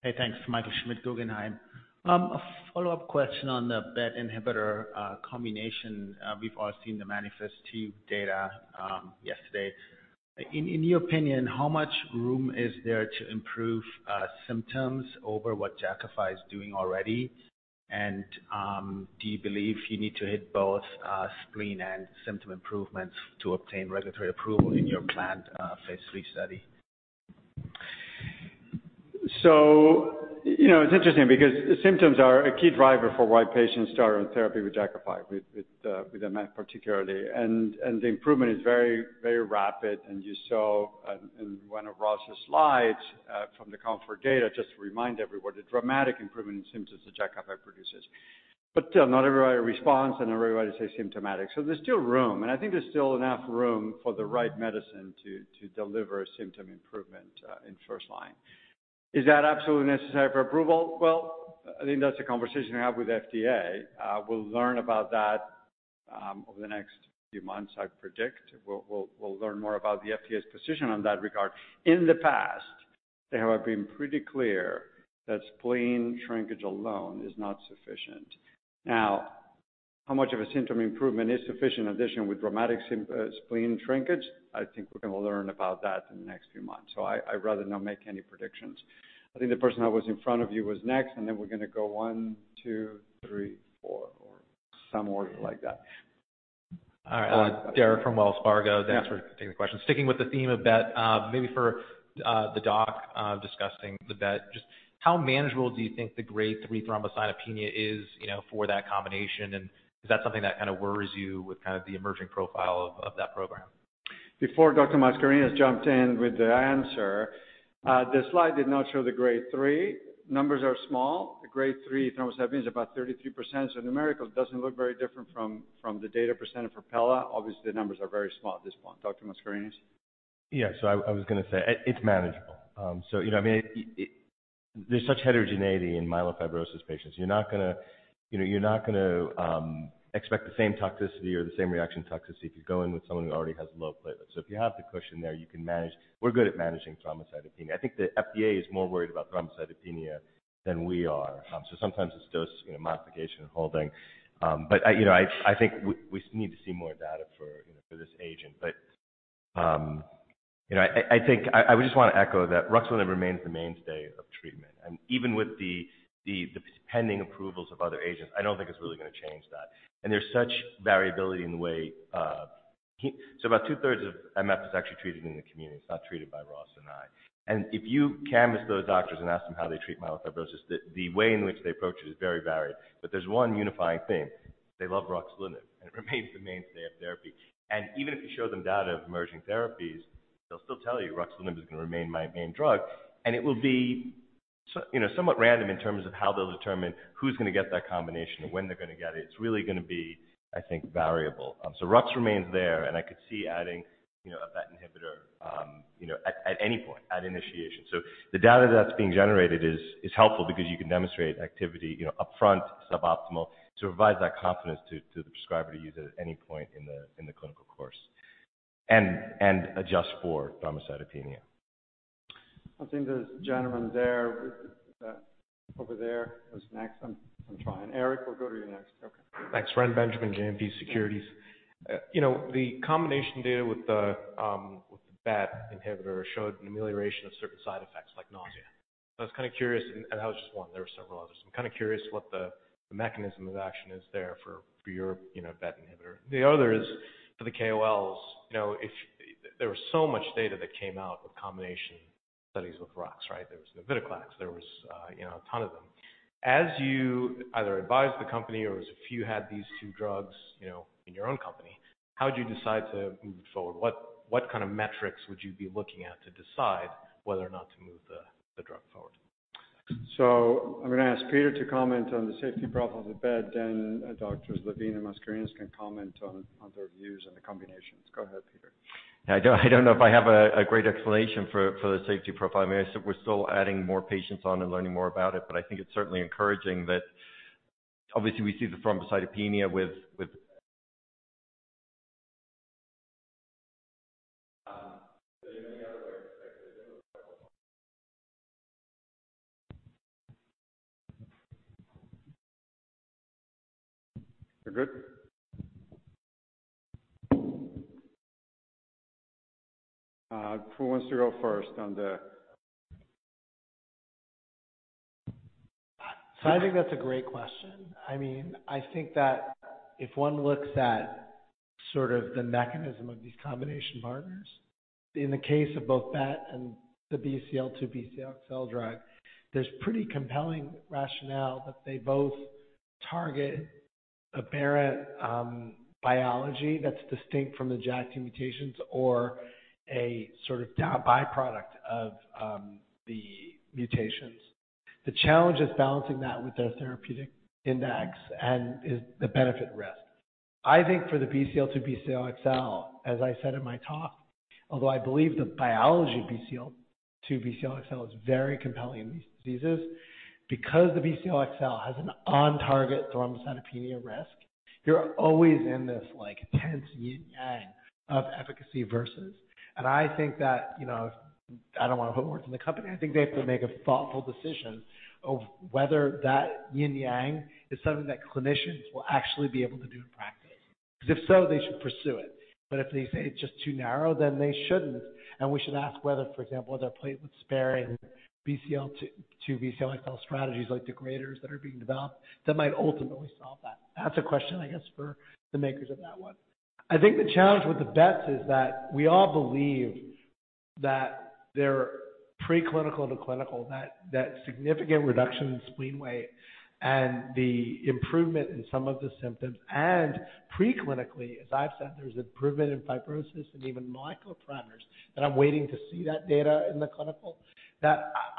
Hey, thanks. Michael Schmidt, Guggenheim. A follow-up question on the BET inhibitor combination. We've all seen the MANIFEST-2 data yesterday. In your opinion, how much room is there to improve symptoms over what Jakafi is doing already? And do you believe you need to hit both spleen and symptom improvements to obtain regulatory approval in your planned phase III study? So, you know, it's interesting because symptoms are a key driver for why patients start on therapy with Jakafi, with MF particularly. And the improvement is very, very rapid. And you saw in one of Ross's slides, from the COMFORT data, just to remind everybody, the dramatic improvement in symptoms that Jakafi produces. But not everybody responds, and not everybody is asymptomatic. So there's still room, and I think there's still enough room for the right medicine to deliver symptom improvement in first line. Is that absolutely necessary for approval? Well, I think that's a conversation to have with FDA. We'll learn about that over the next few months, I predict. We'll learn more about the FDA's position on that regard. In the past, they have been pretty clear that spleen shrinkage alone is not sufficient. Now, how much of a symptom improvement is sufficient in addition with dramatic spleen shrinkage? I think we're going to learn about that in the next few months, so I, I'd rather not make any predictions. I think the person that was in front of you was next, and then we're going to go one, two, three, four, or some order like that. All right. Derek from Wells Fargo. Thanks for taking the question. Sticking with the theme of BET, maybe for the doc discussing the BET, just how manageable do you think the grade three thrombocytopenia is, you know, for that combination? And is that something that kind of worries you with kind of the emerging profile of that program? Before Dr. Mascarenhas jumps in with the answer, the slide did not show the grade 3. Numbers are small. The grade 3 thrombocytopenia is about 33%, so numerical doesn't look very different from the data presented for Pella. Obviously, the numbers are very small at this point. Dr. Mascarenhas? Yeah. So I was going to say it's manageable. So you know, I mean, there's such heterogeneity in myelofibrosis patients. You're not gonna, you know, you're not gonna, expect the same toxicity or the same reaction toxicity if you go in with someone who already has low platelets. So if you have the cushion there, you can manage. We're good at managing thrombocytopenia. I think the FDA is more worried about thrombocytopenia than we are. So sometimes it's dose, you know, modification and holding. But you know, I think we need to see more data for, you know, for this agent. But, you know, I think I just want to echo that ruxolitinib remains the mainstay of treatment. Even with the pending approvals of other agents, I don't think it's really going to change that. There's such variability in the way. So about two-thirds of MF is actually treated in the community. It's not treated by Ross and I. If you canvass those doctors and ask them how they treat myelofibrosis, the way in which they approach it is very varied. But there's one unifying thing, they love ruxolitinib, and it remains the mainstay of therapy. Even if you show them data of emerging therapies, they'll still tell you: "Ruxolitinib is going to remain my main drug," and it will be so, you know, somewhat random in terms of how they'll determine who's going to get that combination and when they're going to get it. It's really going to be, I think, variable. So Rux remains there, and I could see adding, you know, a BET inhibitor, you know, at any point, at initiation. So the data that's being generated is helpful because you can demonstrate activity, you know, upfront, suboptimal, to provide that confidence to the prescriber to use it at any point in the clinical course and adjust for thrombocytopenia. I think there's a gentleman there, over there, who's next. I'm trying. Eric, we'll go to you next. Okay. Thanks, Reni Benjamin, JMP Securities. You know, the combination data with the BET inhibitor showed an amelioration of certain side effects, like nausea. I was kind of curious, and that was just one, there were several others. I'm kind of curious what the mechanism of action is there for your BET inhibitor. The other is for the KOLs. You know, if... There was so much data that came out with combination studies with Rux, right? There was navitoclax, there was, you know, a ton of them. As you either advise the company or if you had these two drugs, you know, in your own company, how would you decide to move it forward? What kind of metrics would you be looking at to decide whether or not to move the drug forward? So I'm going to ask Peter to comment on the safety profile of the BET, then Doctors Levine and Mascarenhas can comment on their views on the combinations. Go ahead, Peter. I don't know if I have a great explanation for the safety profile. I mean, I said we're still adding more patients on and learning more about it, but I think it's certainly encouraging that obviously we see the thrombocytopenia with, with- Are there any other...? We're good? Who wants to go first on the- So I think that's a great question. I mean, I think that if one looks at sort of the mechanism of these combination partners, in the case of both that and the Bcl-2/Bcl-XL drug, there's pretty compelling rationale that they both target apparent, biology that's distinct from the JAK2 mutations or a sort of down by-product of, the mutations. The challenge is balancing that with their therapeutic index and is the benefit risk. I think for the Bcl-2/Bcl-XL, as I said in my talk, although I believe the biology Bcl-2/Bcl-XL is very compelling in these diseases, because the Bcl-XL has an on-target thrombocytopenia risk, you're always in this, like, tense yin-yang of efficacy versus. And I think that, you know, I don't want to put words in the company. I think they have to make a thoughtful decision of whether that yin-yang is something that clinicians will actually be able to do in practice. Because if so, they should pursue it. But if they say it's just too narrow, then they shouldn't, and we should ask whether, for example, are there platelet-sparing Bcl-2, Bcl-XL strategies, like degraders that are being developed, that might ultimately solve that. That's a question, I guess, for the makers of that one. I think the challenge with the BETs is that we all believe that there are preclinical to clinical, that significant reduction in spleen weight and the improvement in some of the symptoms, and preclinically, as I've said, there's improvement in fibrosis and even myelo parameters, and I'm waiting to see that data in the clinical, that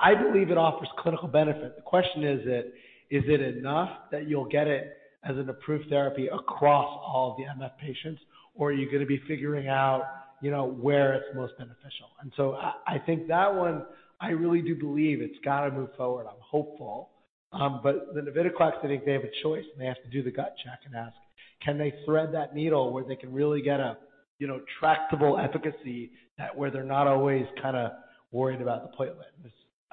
I believe it offers clinical benefit. The question is that, is it enough that you'll get it as an approved therapy across all the MF patients, or are you going to be figuring out, you know, where it's most beneficial? And so I think that one, I really do believe it's got to move forward. I'm hopeful. But the navitoclax, I think they have a choice, and they have to do the gut check and ask, can they thread that needle where they can really get a, you know, tractable efficacy at where they're not always kind of worried about the platelet?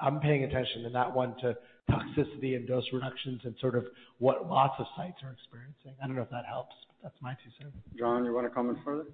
I'm paying attention to that one, to toxicity and dose reductions and sort of what lots of sites are experiencing. I don't know if that helps, but that's my two cents. John, you want to comment further?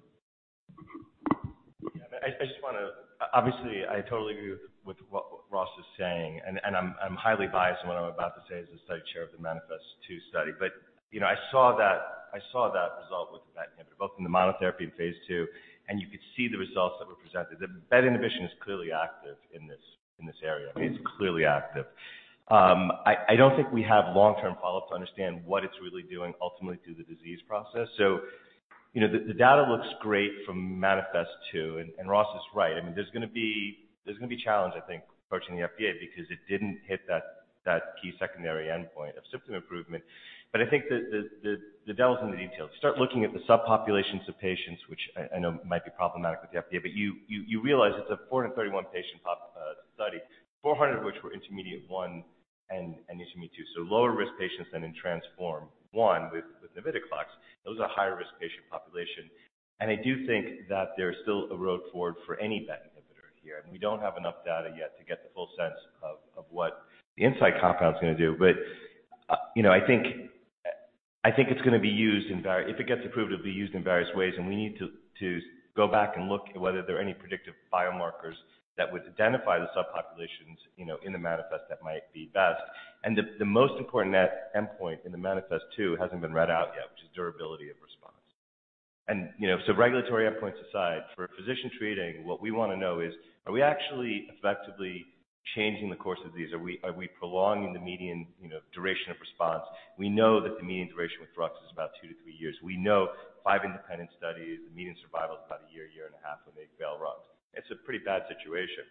Yeah. I just want to... Obviously, I totally agree with what Ross is saying, and I'm highly biased in what I'm about to say as the study chair of the MANIFEST-2 study. But, you know, I saw that result with the BET inhibitor, both in the monotherapy in phase II, and you could see the results that were presented. The BET inhibition is clearly active in this area. I mean, it's clearly active. I don't think we have long-term follow-up to understand what it's really doing ultimately to the disease process. So, you know, the data looks great from MANIFEST-2, and Ross is right. I mean, there's going to be challenge, I think, approaching the FDA because it didn't hit that key secondary endpoint of symptom improvement. But I think the devil's in the details. You start looking at the subpopulations of patients, which I know might be problematic with the FDA, but you realize it's a 431-patient population study, 400 of which were intermediate-1 and intermediate-2, so lower-risk patients than in TRANSFORM-1 with navitoclax. Those are higher-risk patient population. And I do think that there's still a road forward for any BET inhibitor here, and we don't have enough data yet to get the full sense of what the in-house compound's going to do. But you know, I think, I think it's going to be used in various ways, and we need to go back and look at whether there are any predictive biomarkers that would identify the subpopulations, you know, in the MANIFEST that might be best. And the most important next endpoint in the MANIFEST-2 hasn't been read out yet, which is durability of response. And you know, so regulatory endpoints aside, for a physician treating, what we want to know is, are we actually effectively changing the course of disease? Are we prolonging the median, you know, duration of response? We know that the median duration with Rux is about 2-3 years. We know 5 independent studies, the median survival is about 1 year, 1.5 years when they fail Rux. It's a pretty bad situation.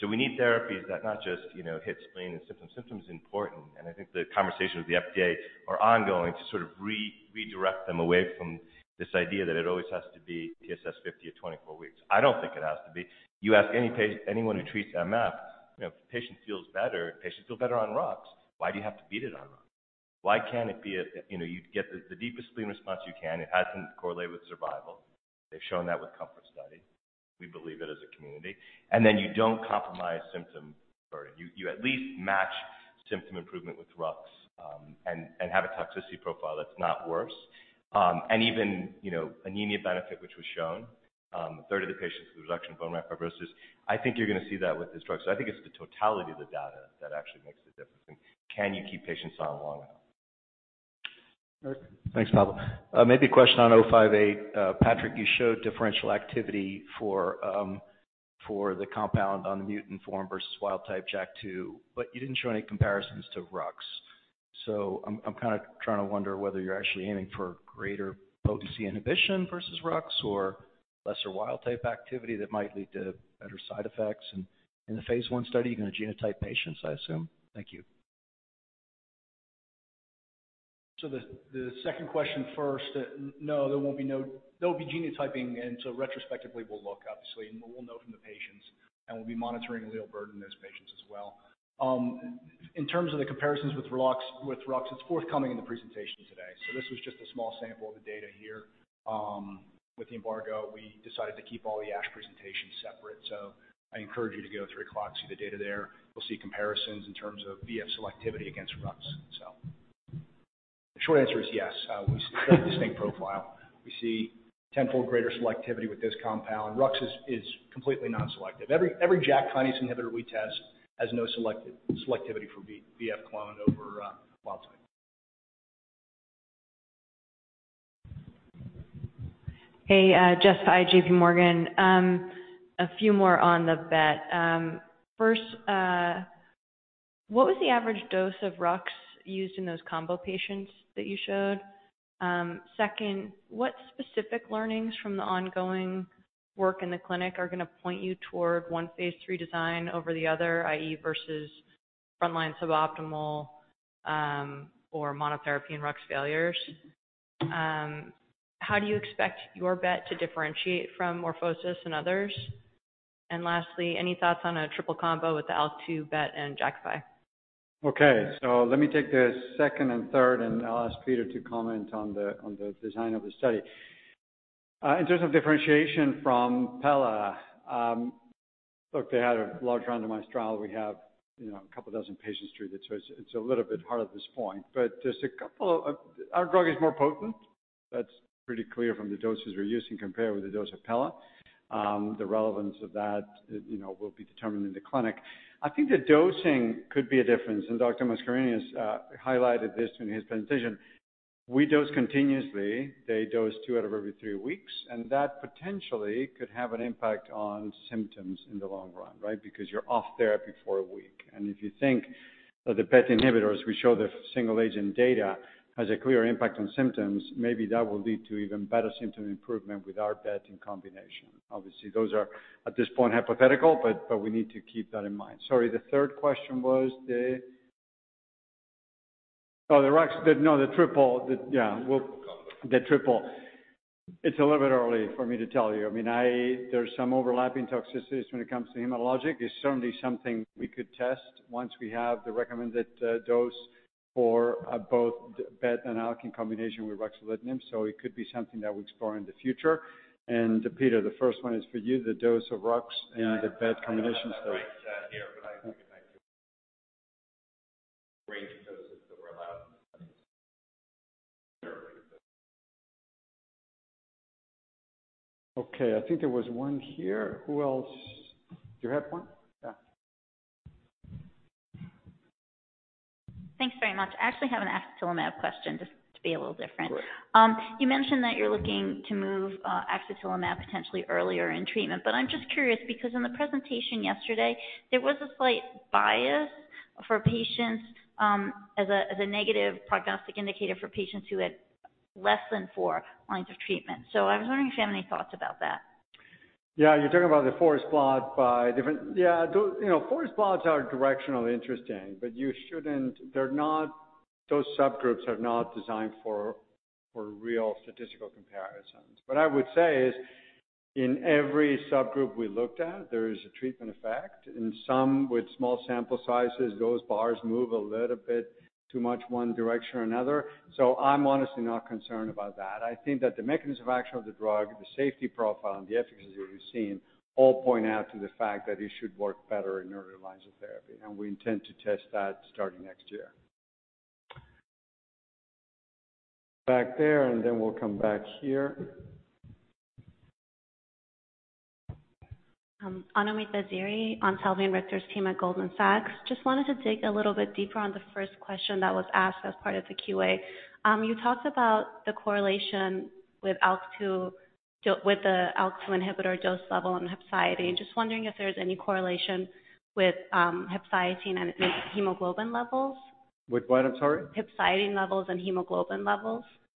So we need therapies that not just, you know, hit spleen and symptoms. Symptoms are important, and I think the conversation with the FDA are ongoing to sort of re-redirect them away from this idea that it always has to be TSS 50 at 24 weeks. I don't think it has to be. You ask any patient, anyone who treats MF, you know, if the patient feels better, patients feel better on Rux. Why do you have to beat it on Rux? Why can't it be, you know, you get the deepest spleen response you can. It hasn't correlated with survival. They've shown that with COMFORT study. We believe it as a community, and then you don't compromise symptom burden. You at least match symptom improvement with Rux, and have a toxicity profile that's not worse. And even, you know, anemia benefit, which was shown. A third of the patients with reduction in bone marrow fibrosis. I think you're going to see that with this drug. So I think it's the totality of the data that actually makes the difference in can you keep patients on long enough? Thanks, Pablo. Maybe a question on INCB160058. Patrick, you showed differential activity for the compound on the mutant form versus wild type JAK2, but you didn't show any comparisons to Rux. So I'm kind of trying to wonder whether you're actually aiming for greater potency inhibition versus Rux or lesser wild-type activity that might lead to better side effects. And in the phase I study, you're going to genotype patients, I assume? Thank you. So the second question first. No, there won't be no—there will be genotyping, and so retrospectively, we'll look, obviously, and we'll know from the patients, and we'll be monitoring allele burden in those patients as well. In terms of the comparisons with Rux, with Rux, it's forthcoming in the presentation today. So this was just a small sample of the data here. With the embargo, we decided to keep all the ASH presentations separate. So I encourage you to go through the talk, see the data there. You'll see comparisons in terms of VF selectivity against Rux. So the short answer is yes. We see a distinct profile. We see tenfold greater selectivity with this compound. Rux is completely non-selective. Every JAK kinase inhibitor we test has no selectivity for VF clone over wild type. Hey, Jesse, J.P. Morgan. A few more on the BET. First, what was the average dose of Rux used in those combo patients that you showed? Second, what specific learnings from the ongoing work in the clinic are going to point you toward one phase III design over the other, i.e., versus frontline suboptimal, or monotherapy and Rux failures? How do you expect your BET to differentiate from MorphoSys and others? And lastly, any thoughts on a triple combo with the ALK2 BET and Jakafi? Okay, so let me take the second and third, and I'll ask Peter to comment on the, on the design of the study. In terms of differentiation from Pela, look, they had a large randomized trial. We have, you know, a couple dozen patients treated, so it's, it's a little bit hard at this point. Our drug is more potent. That's pretty clear from the doses we're using compared with the dose of Pela. The relevance of that, you know, will be determined in the clinic. I think the dosing could be a difference, and Dr. Mascarenhas highlighted this in his presentation. We dose continuously, they dose two out of every three weeks, and that potentially could have an impact on symptoms in the long run, right? Because you're off therapy for a week. If you think of the BET inhibitors, we show the single agent data has a clear impact on symptoms, maybe that will lead to even better symptom improvement with our BET in combination. Obviously, those are, at this point, hypothetical, but we need to keep that in mind. Sorry, the third question was the... Oh, the Rux, no, the triple. Yeah, well- The triple. The triple. It's a little bit early for me to tell you. I mean, I... There's some overlapping toxicities when it comes to hematologic. It's certainly something we could test once we have the recommended dose for both BET and ALK in combination with ruxolitinib, so it could be something that we explore in the future. And Peter, the first one is for you, the dose of Rux and the BET combination study. Yeah, I have that right here, but I think I can range the doses that were allowed in the study. Okay, I think there was one here. Who else? You had one? Yeah. Thanks very much. I actually have an axatilimab question, just to be a little different. Sure. You mentioned that you're looking to move axatilimab potentially earlier in treatment, but I'm just curious because in the presentation yesterday, there was a slight bias for patients as a negative prognostic indicator for patients who had less than four lines of treatment. So I was wondering if you have any thoughts about that. Yeah, you're talking about the forest plot by different. Yeah, those, you know, forest plots are directionally interesting, but you shouldn't. They're not. Those subgroups are not designed for real statistical comparisons. What I would say is, in every subgroup we looked at, there is a treatment effect. In some, with small sample sizes, those bars move a little bit too much one direction or another. So I'm honestly not concerned about that. I think that the mechanism of action of the drug, the safety profile, and the efficacy that we've seen all point out to the fact that it should work better in earlier lines of therapy, and we intend to test that starting next year. Back there, and then we'll come back here. Anoumid Vaziri, on Salveen Richter's team at Goldman Sachs. Just wanted to dig a little bit deeper on the first question that was asked as part of the QA. You talked about the correlation with ALK2, with the ALK2 inhibitor dose level and hepcidin. Just wondering if there's any correlation with hepcidin and its hemoglobin levels? With what, I'm sorry? hepcidin levels and hemoglobin levels. ...I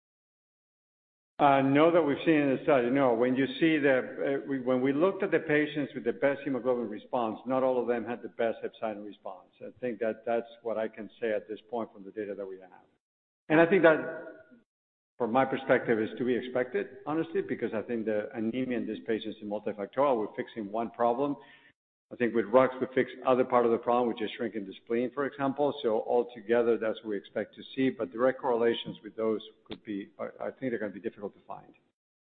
know that we've seen it in the study. No, when you see the, when we looked at the patients with the best hemoglobin response, not all of them had the best hepcidin response. I think that that's what I can say at this point from the data that we have. And I think that, from my perspective, is to be expected, honestly, because I think the anemia in this patient is multifactorial. We're fixing one problem. I think with Rux, we fix other part of the problem, which is shrinking the spleen, for example. So altogether, that's what we expect to see, but direct correlations with those could be... I think they're going to be difficult to find.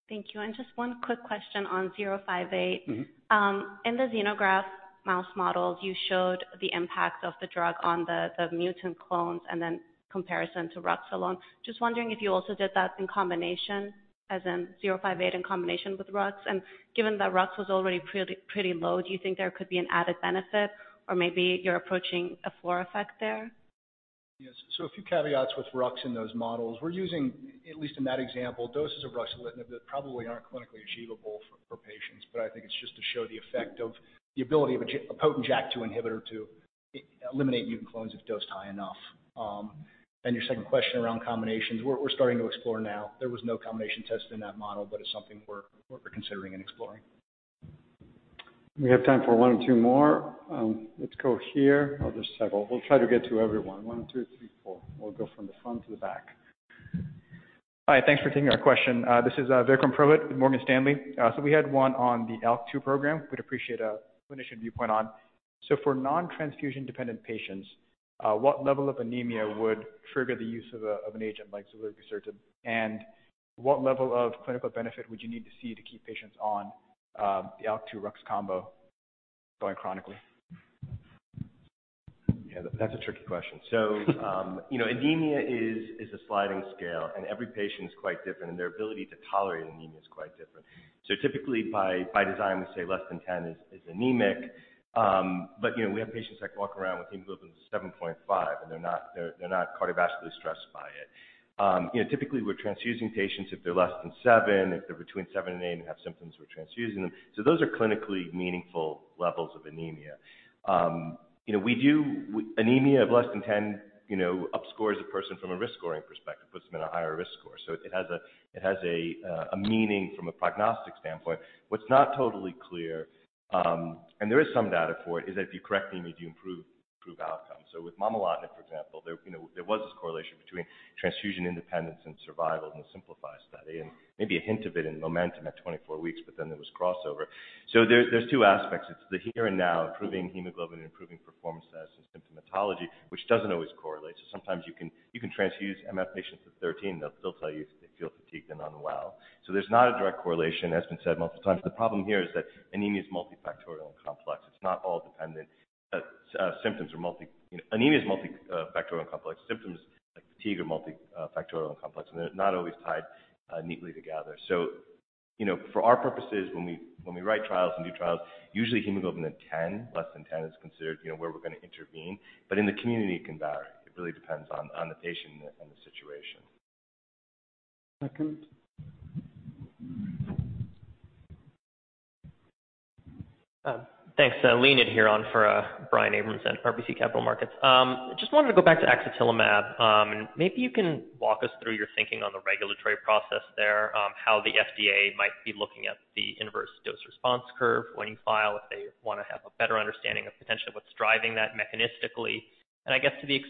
Thank you. Just one quick question on 058. Mm-hmm. In the xenograft mouse models, you showed the impact of the drug on the mutant clones and then comparison to Rux alone. Just wondering if you also did that in combination, as in zero five eight in combination with Rux? And given that Rux was already pretty low, do you think there could be an added benefit, or maybe you're approaching a floor effect there? Yes. So a few caveats with Rux in those models. We're using, at least in that example, doses of ruxolitinib that probably aren't clinically achievable for patients, but I think it's just to show the effect of the ability of a potent JAK2 inhibitor to eliminate mutant clones if dosed high enough. And your second question around combinations, we're starting to explore now. There was no combination tested in that model, but it's something we're considering and exploring. We have time for one or two more. Let's go here. I'll just toggle. We'll try to get to everyone. One, two, three, four. We'll go from the front to the back. Hi, thanks for taking our question. This is Vikram Purohit with Morgan Stanley. So we had one on the ALK-2 program. We'd appreciate a clinician viewpoint on. So for non-transfusion-dependent patients, what level of anemia would trigger the U.S.e of an agent like selumetinib? And what level of clinical benefit would you need to see to keep patients on the ALK-2 Rux combo going chronically? Yeah, that's a tricky question. So, you know, anemia is a sliding scale, and every patient is quite different, and their ability to tolerate anemia is quite different. So typically, by design, we say less than 10 is anemic. But, you know, we have patients that can walk around with hemoglobin of 7.5, and they're not cardiovascularly stressed by it. You know, typically, we're transfusing patients if they're less than 7. If they're between 7 and 8 and have symptoms, we're transfusing them. So those are clinically meaningful levels of anemia. You know, with anemia of less than 10, you know, up scores a person from a risk-scoring perspective, puts them in a higher risk score. So it has a meaning from a prognostic standpoint. What's not totally clear, and there is some data for it, is that if you correct anemia, do you improve outcomes? So with momelotinib, for example, there, you know, there was this correlation between transfusion independence and survival in the Simplify study, and maybe a hint of it in MOMENTUM at 24 weeks, but then there was crossover. So there's two aspects. It's the here and now, improving hemoglobin and improving performance status and symptomatology, which doesn't always correlate. So sometimes you can transfuse MF patients with 13, they'll still tell you they feel fatigued and unwell. So there's not a direct correlation, as has been said multiple times. The problem here is that anemia is multifactorial and complex. It's not all dependent. You know, anemia is multifactorial and complex. Symptoms like fatigue are multifactorial and complex, and they're not always tied neatly together. So, you know, for our purposes, when we write trials and do trials, usually hemoglobin at 10, less than 10, is considered, you know, where we're going to intervene. But in the community, it can vary. It really depends on the patient and the situation. Second. Thanks. Leonid here on for Brian Abrams at RBC Capital Markets. Just wanted to go back to axatilimab. Maybe you can walk us through your thinking on the regulatory process there, how the FDA might be looking at the inverse dose response curve when you file, if they want to have a better understanding of potentially what's driving that mechanistically. And I guess to the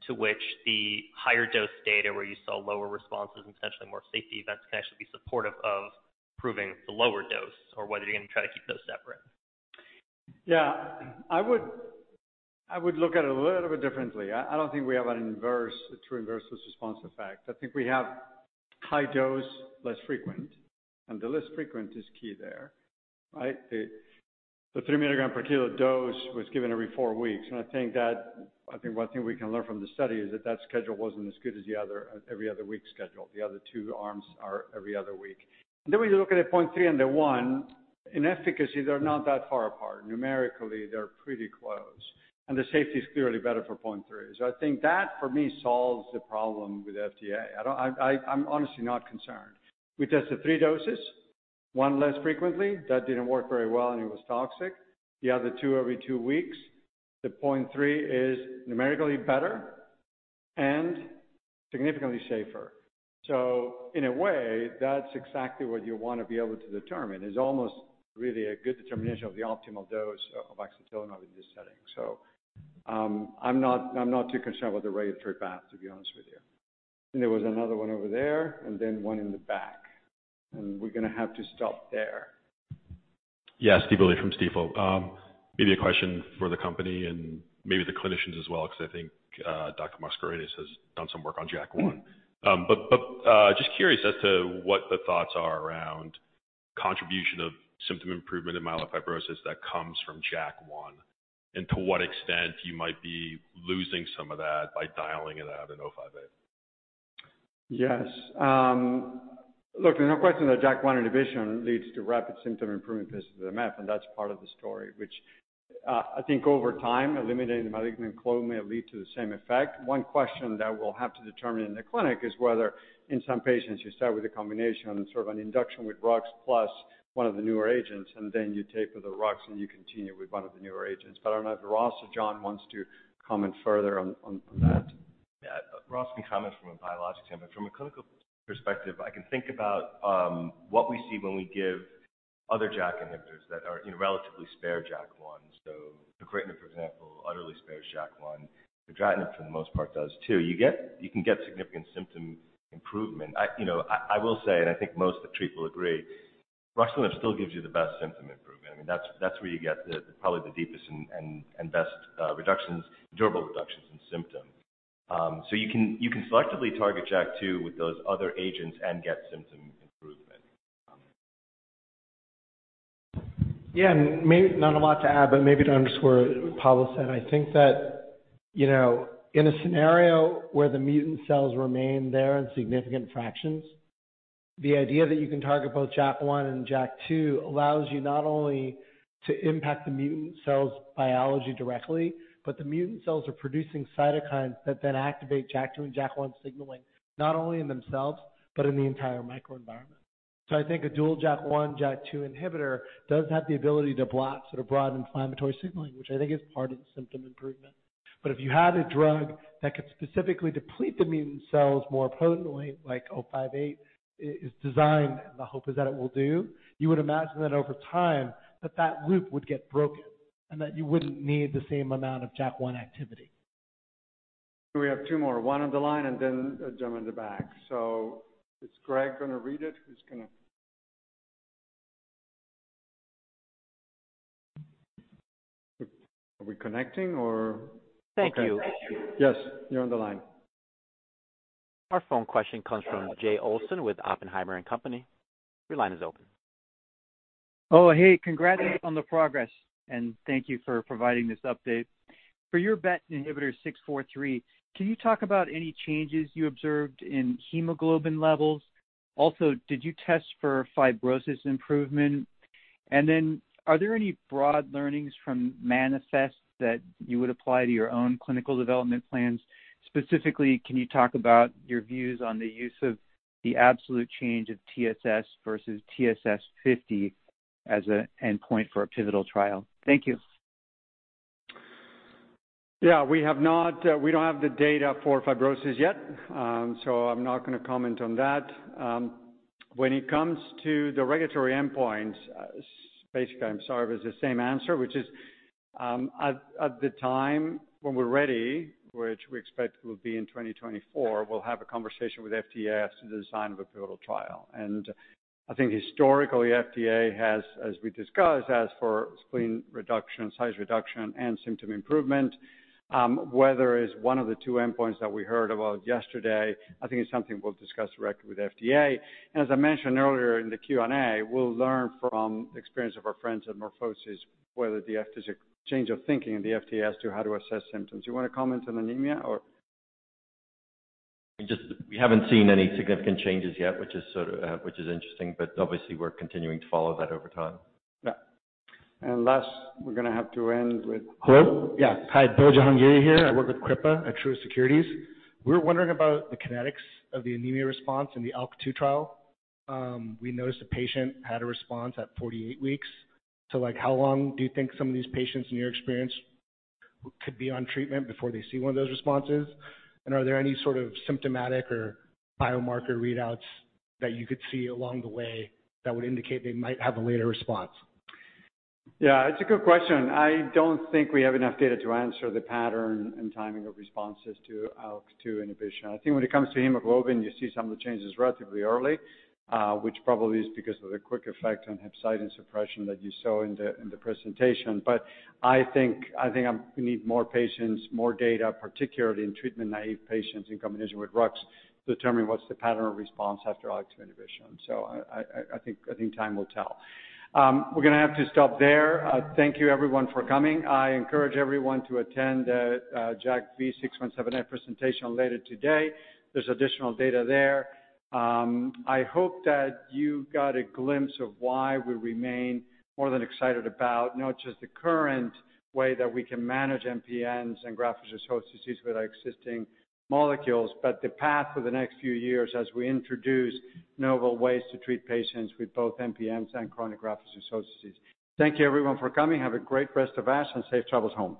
extent to which the higher dose data, where you saw lower responses and potentially more safety events, can actually be supportive of proving the lower dose, or whether you're going to try to keep those separate. Yeah. I would look at it a little bit differently. I don't think we have an inverse, a true inverse response effect. I think we have high dose, less frequent, and the less frequent is key there, right? The 3-milligram-per-kilo dose was given every 4 weeks, and I think that... I think one thing we can learn from the study is that that schedule wasn't as good as the other, every other week schedule. The other 2 arms are every other week. Then when you look at the 0.3 and the 1, in efficacy, they're not that far apart. Numerically, they're pretty close, and the safety is clearly better for 0.3. So I think that, for me, solves the problem with FDA. I don't... I'm honestly not concerned. We tested three doses, one less frequently, that didn't work very well, and it was toxic. The other two, every two weeks, the 0.3 is numerically better and significantly safer. So in a way, that's exactly what you want to be able to determine. It's almost really a good determination of the optimal dose of axatilimab in this setting. So, I'm not, I'm not too concerned about the regulatory path, to be honest with you. And there was another one over there and then one in the back, and we're going to have to stop there. Yeah, Steve Willey from Stifel. Maybe a question for the company and maybe the clinicians as well, because I think Dr. Mascarenhas has done some work on JAK1. Mm-hmm. But just curious as to what the thoughts are around contribution of symptom improvement in myelofibrosis that comes from JAK1 and to what extent you might be losing some of that by dialing it out in INCB160058? Yes. Look, there's no question that JAK1 inhibition leads to rapid symptom improvement versus the MF, and that's part of the story, which, I think over time, eliminating the malignant clone may lead to the same effect. One question that we'll have to determine in the clinic is whether in some patients you start with a combination and sort of an induction with Rux plus one of the newer agents, and then you taper the Rux, and you continue with one of the newer agents. But I don't know if Ross or John wants to comment further on that?... We're asking comments from a biologic standpoint. From a clinical perspective, I can think about what we see when we give other JAK inhibitors that are, you know, relatively sparing JAK1. So pacritinib, for example, utterly spares JAK1. Fedratinib, for the most part, does, too. You can get significant symptom improvement. I, you know, I will say, and I think most of the field will agree, ruxolitinib still gives you the best symptom improvement. I mean, that's where you get the, probably the deepest and best, durable reductions in symptoms. So you can selectively target JAK2 with those other agents and get symptom improvement. Yeah, and maybe not a lot to add, but maybe to underscore what Pablo said. I think that, you know, in a scenario where the mutant cells remain there in significant fractions, the idea that you can target both JAK1 and JAK2 allows you not only to impact the mutant cells' biology directly, but the mutant cells are producing cytokines that then activate JAK2 and JAK1 signaling, not only in themselves but in the entire microenvironment. So I think a dual JAK1/JAK2 inhibitor does have the ability to block sort of broad inflammatory signaling, which I think is part of the symptom improvement. But if you had a drug that could specifically deplete the mutant cells more potently, like INCB160058 is designed, and the hope is that it will do, you would imagine that over time, that that loop would get broken and that you wouldn't need the same amount of JAK1 activity. We have two more, one on the line and then a gentleman in the back. So is Greg going to read it? Who's going to...? Are we connecting or- Thank you. Okay. Yes, you're on the line. Our phone question comes from Jay Olson with Oppenheimer and Company. Your line is open. Oh, hey, congrats on the progress, and thank you for providing this update. For your BET inhibitor 643, can you talk about any changes you observed in hemoglobin levels? Also, did you test for fibrosis improvement? And then are there any broad learnings from MANIFEST that you would apply to your own clinical development plans? Specifically, can you talk about your views on the U.S.e of the absolute change of TSS versus TSS 50 as an endpoint for a pivotal trial? Thank you. Yeah, we have not, we don't have the data for fibrosis yet, so I'm not going to comment on that. When it comes to the regulatory endpoints, basically, I'm sorry, it was the same answer, which is, at the time when we're ready, which we expect will be in 2024, we'll have a conversation with FDA after the design of a pivotal trial. And I think historically, FDA has, as we discussed, asked for spleen reduction, size reduction, and symptom improvement. Whether it's one of the two endpoints that we heard about yesterday, I think it's something we'll discuss directly with FDA. And as I mentioned earlier in the Q&A, we'll learn from the experience of our friends at MorphoSys, whether there's a change of thinking in the FDA as to how to assess symptoms. You want to comment on anemia, or? Just we haven't seen any significant changes yet, which is sort of, which is interesting, but obviously, we're continuing to follow that over time. Yeah. Last, we're going to have to end with- Hello? Yeah. Hi, Billal Jahangiri here. I work with Kripa at Truist Securities. We're wondering about the kinetics of the anemia response in the ALK2 trial. We noticed a patient had a response at 48 weeks. So, like, how long do you think some of these patients in your experience could be on treatment before they see one of those responses? And are there any sort of symptomatic or biomarker readouts that you could see along the way that would indicate they might have a later response? Yeah, it's a good question. I don't think we have enough data to answer the pattern and timing of responses to ALK-2 inhibition. I think when it comes to hemoglobin, you see some of the changes relatively early, which probably is because of the quick effect on hepcidin suppression that you saw in the presentation. But I think we need more patients, more data, particularly in treatment-naive patients in combination with Rux, to determine what's the pattern of response after ALK-2 inhibition. So I think time will tell. We're going to have to stop there. Thank you, everyone, for coming. I encourage everyone to attend the JAK2 V617F presentation later today. There's additional data there. I hope that you got a glimpse of why we remain more than excited about not just the current way that we can manage MPNs and graft-versus-host disease with our existing molecules, but the path for the next few years as we introduce novel ways to treat patients with both MPNs and chronic graft-versus-host disease. Thank you, everyone, for coming. Have a great rest of ASH, and safe travels home.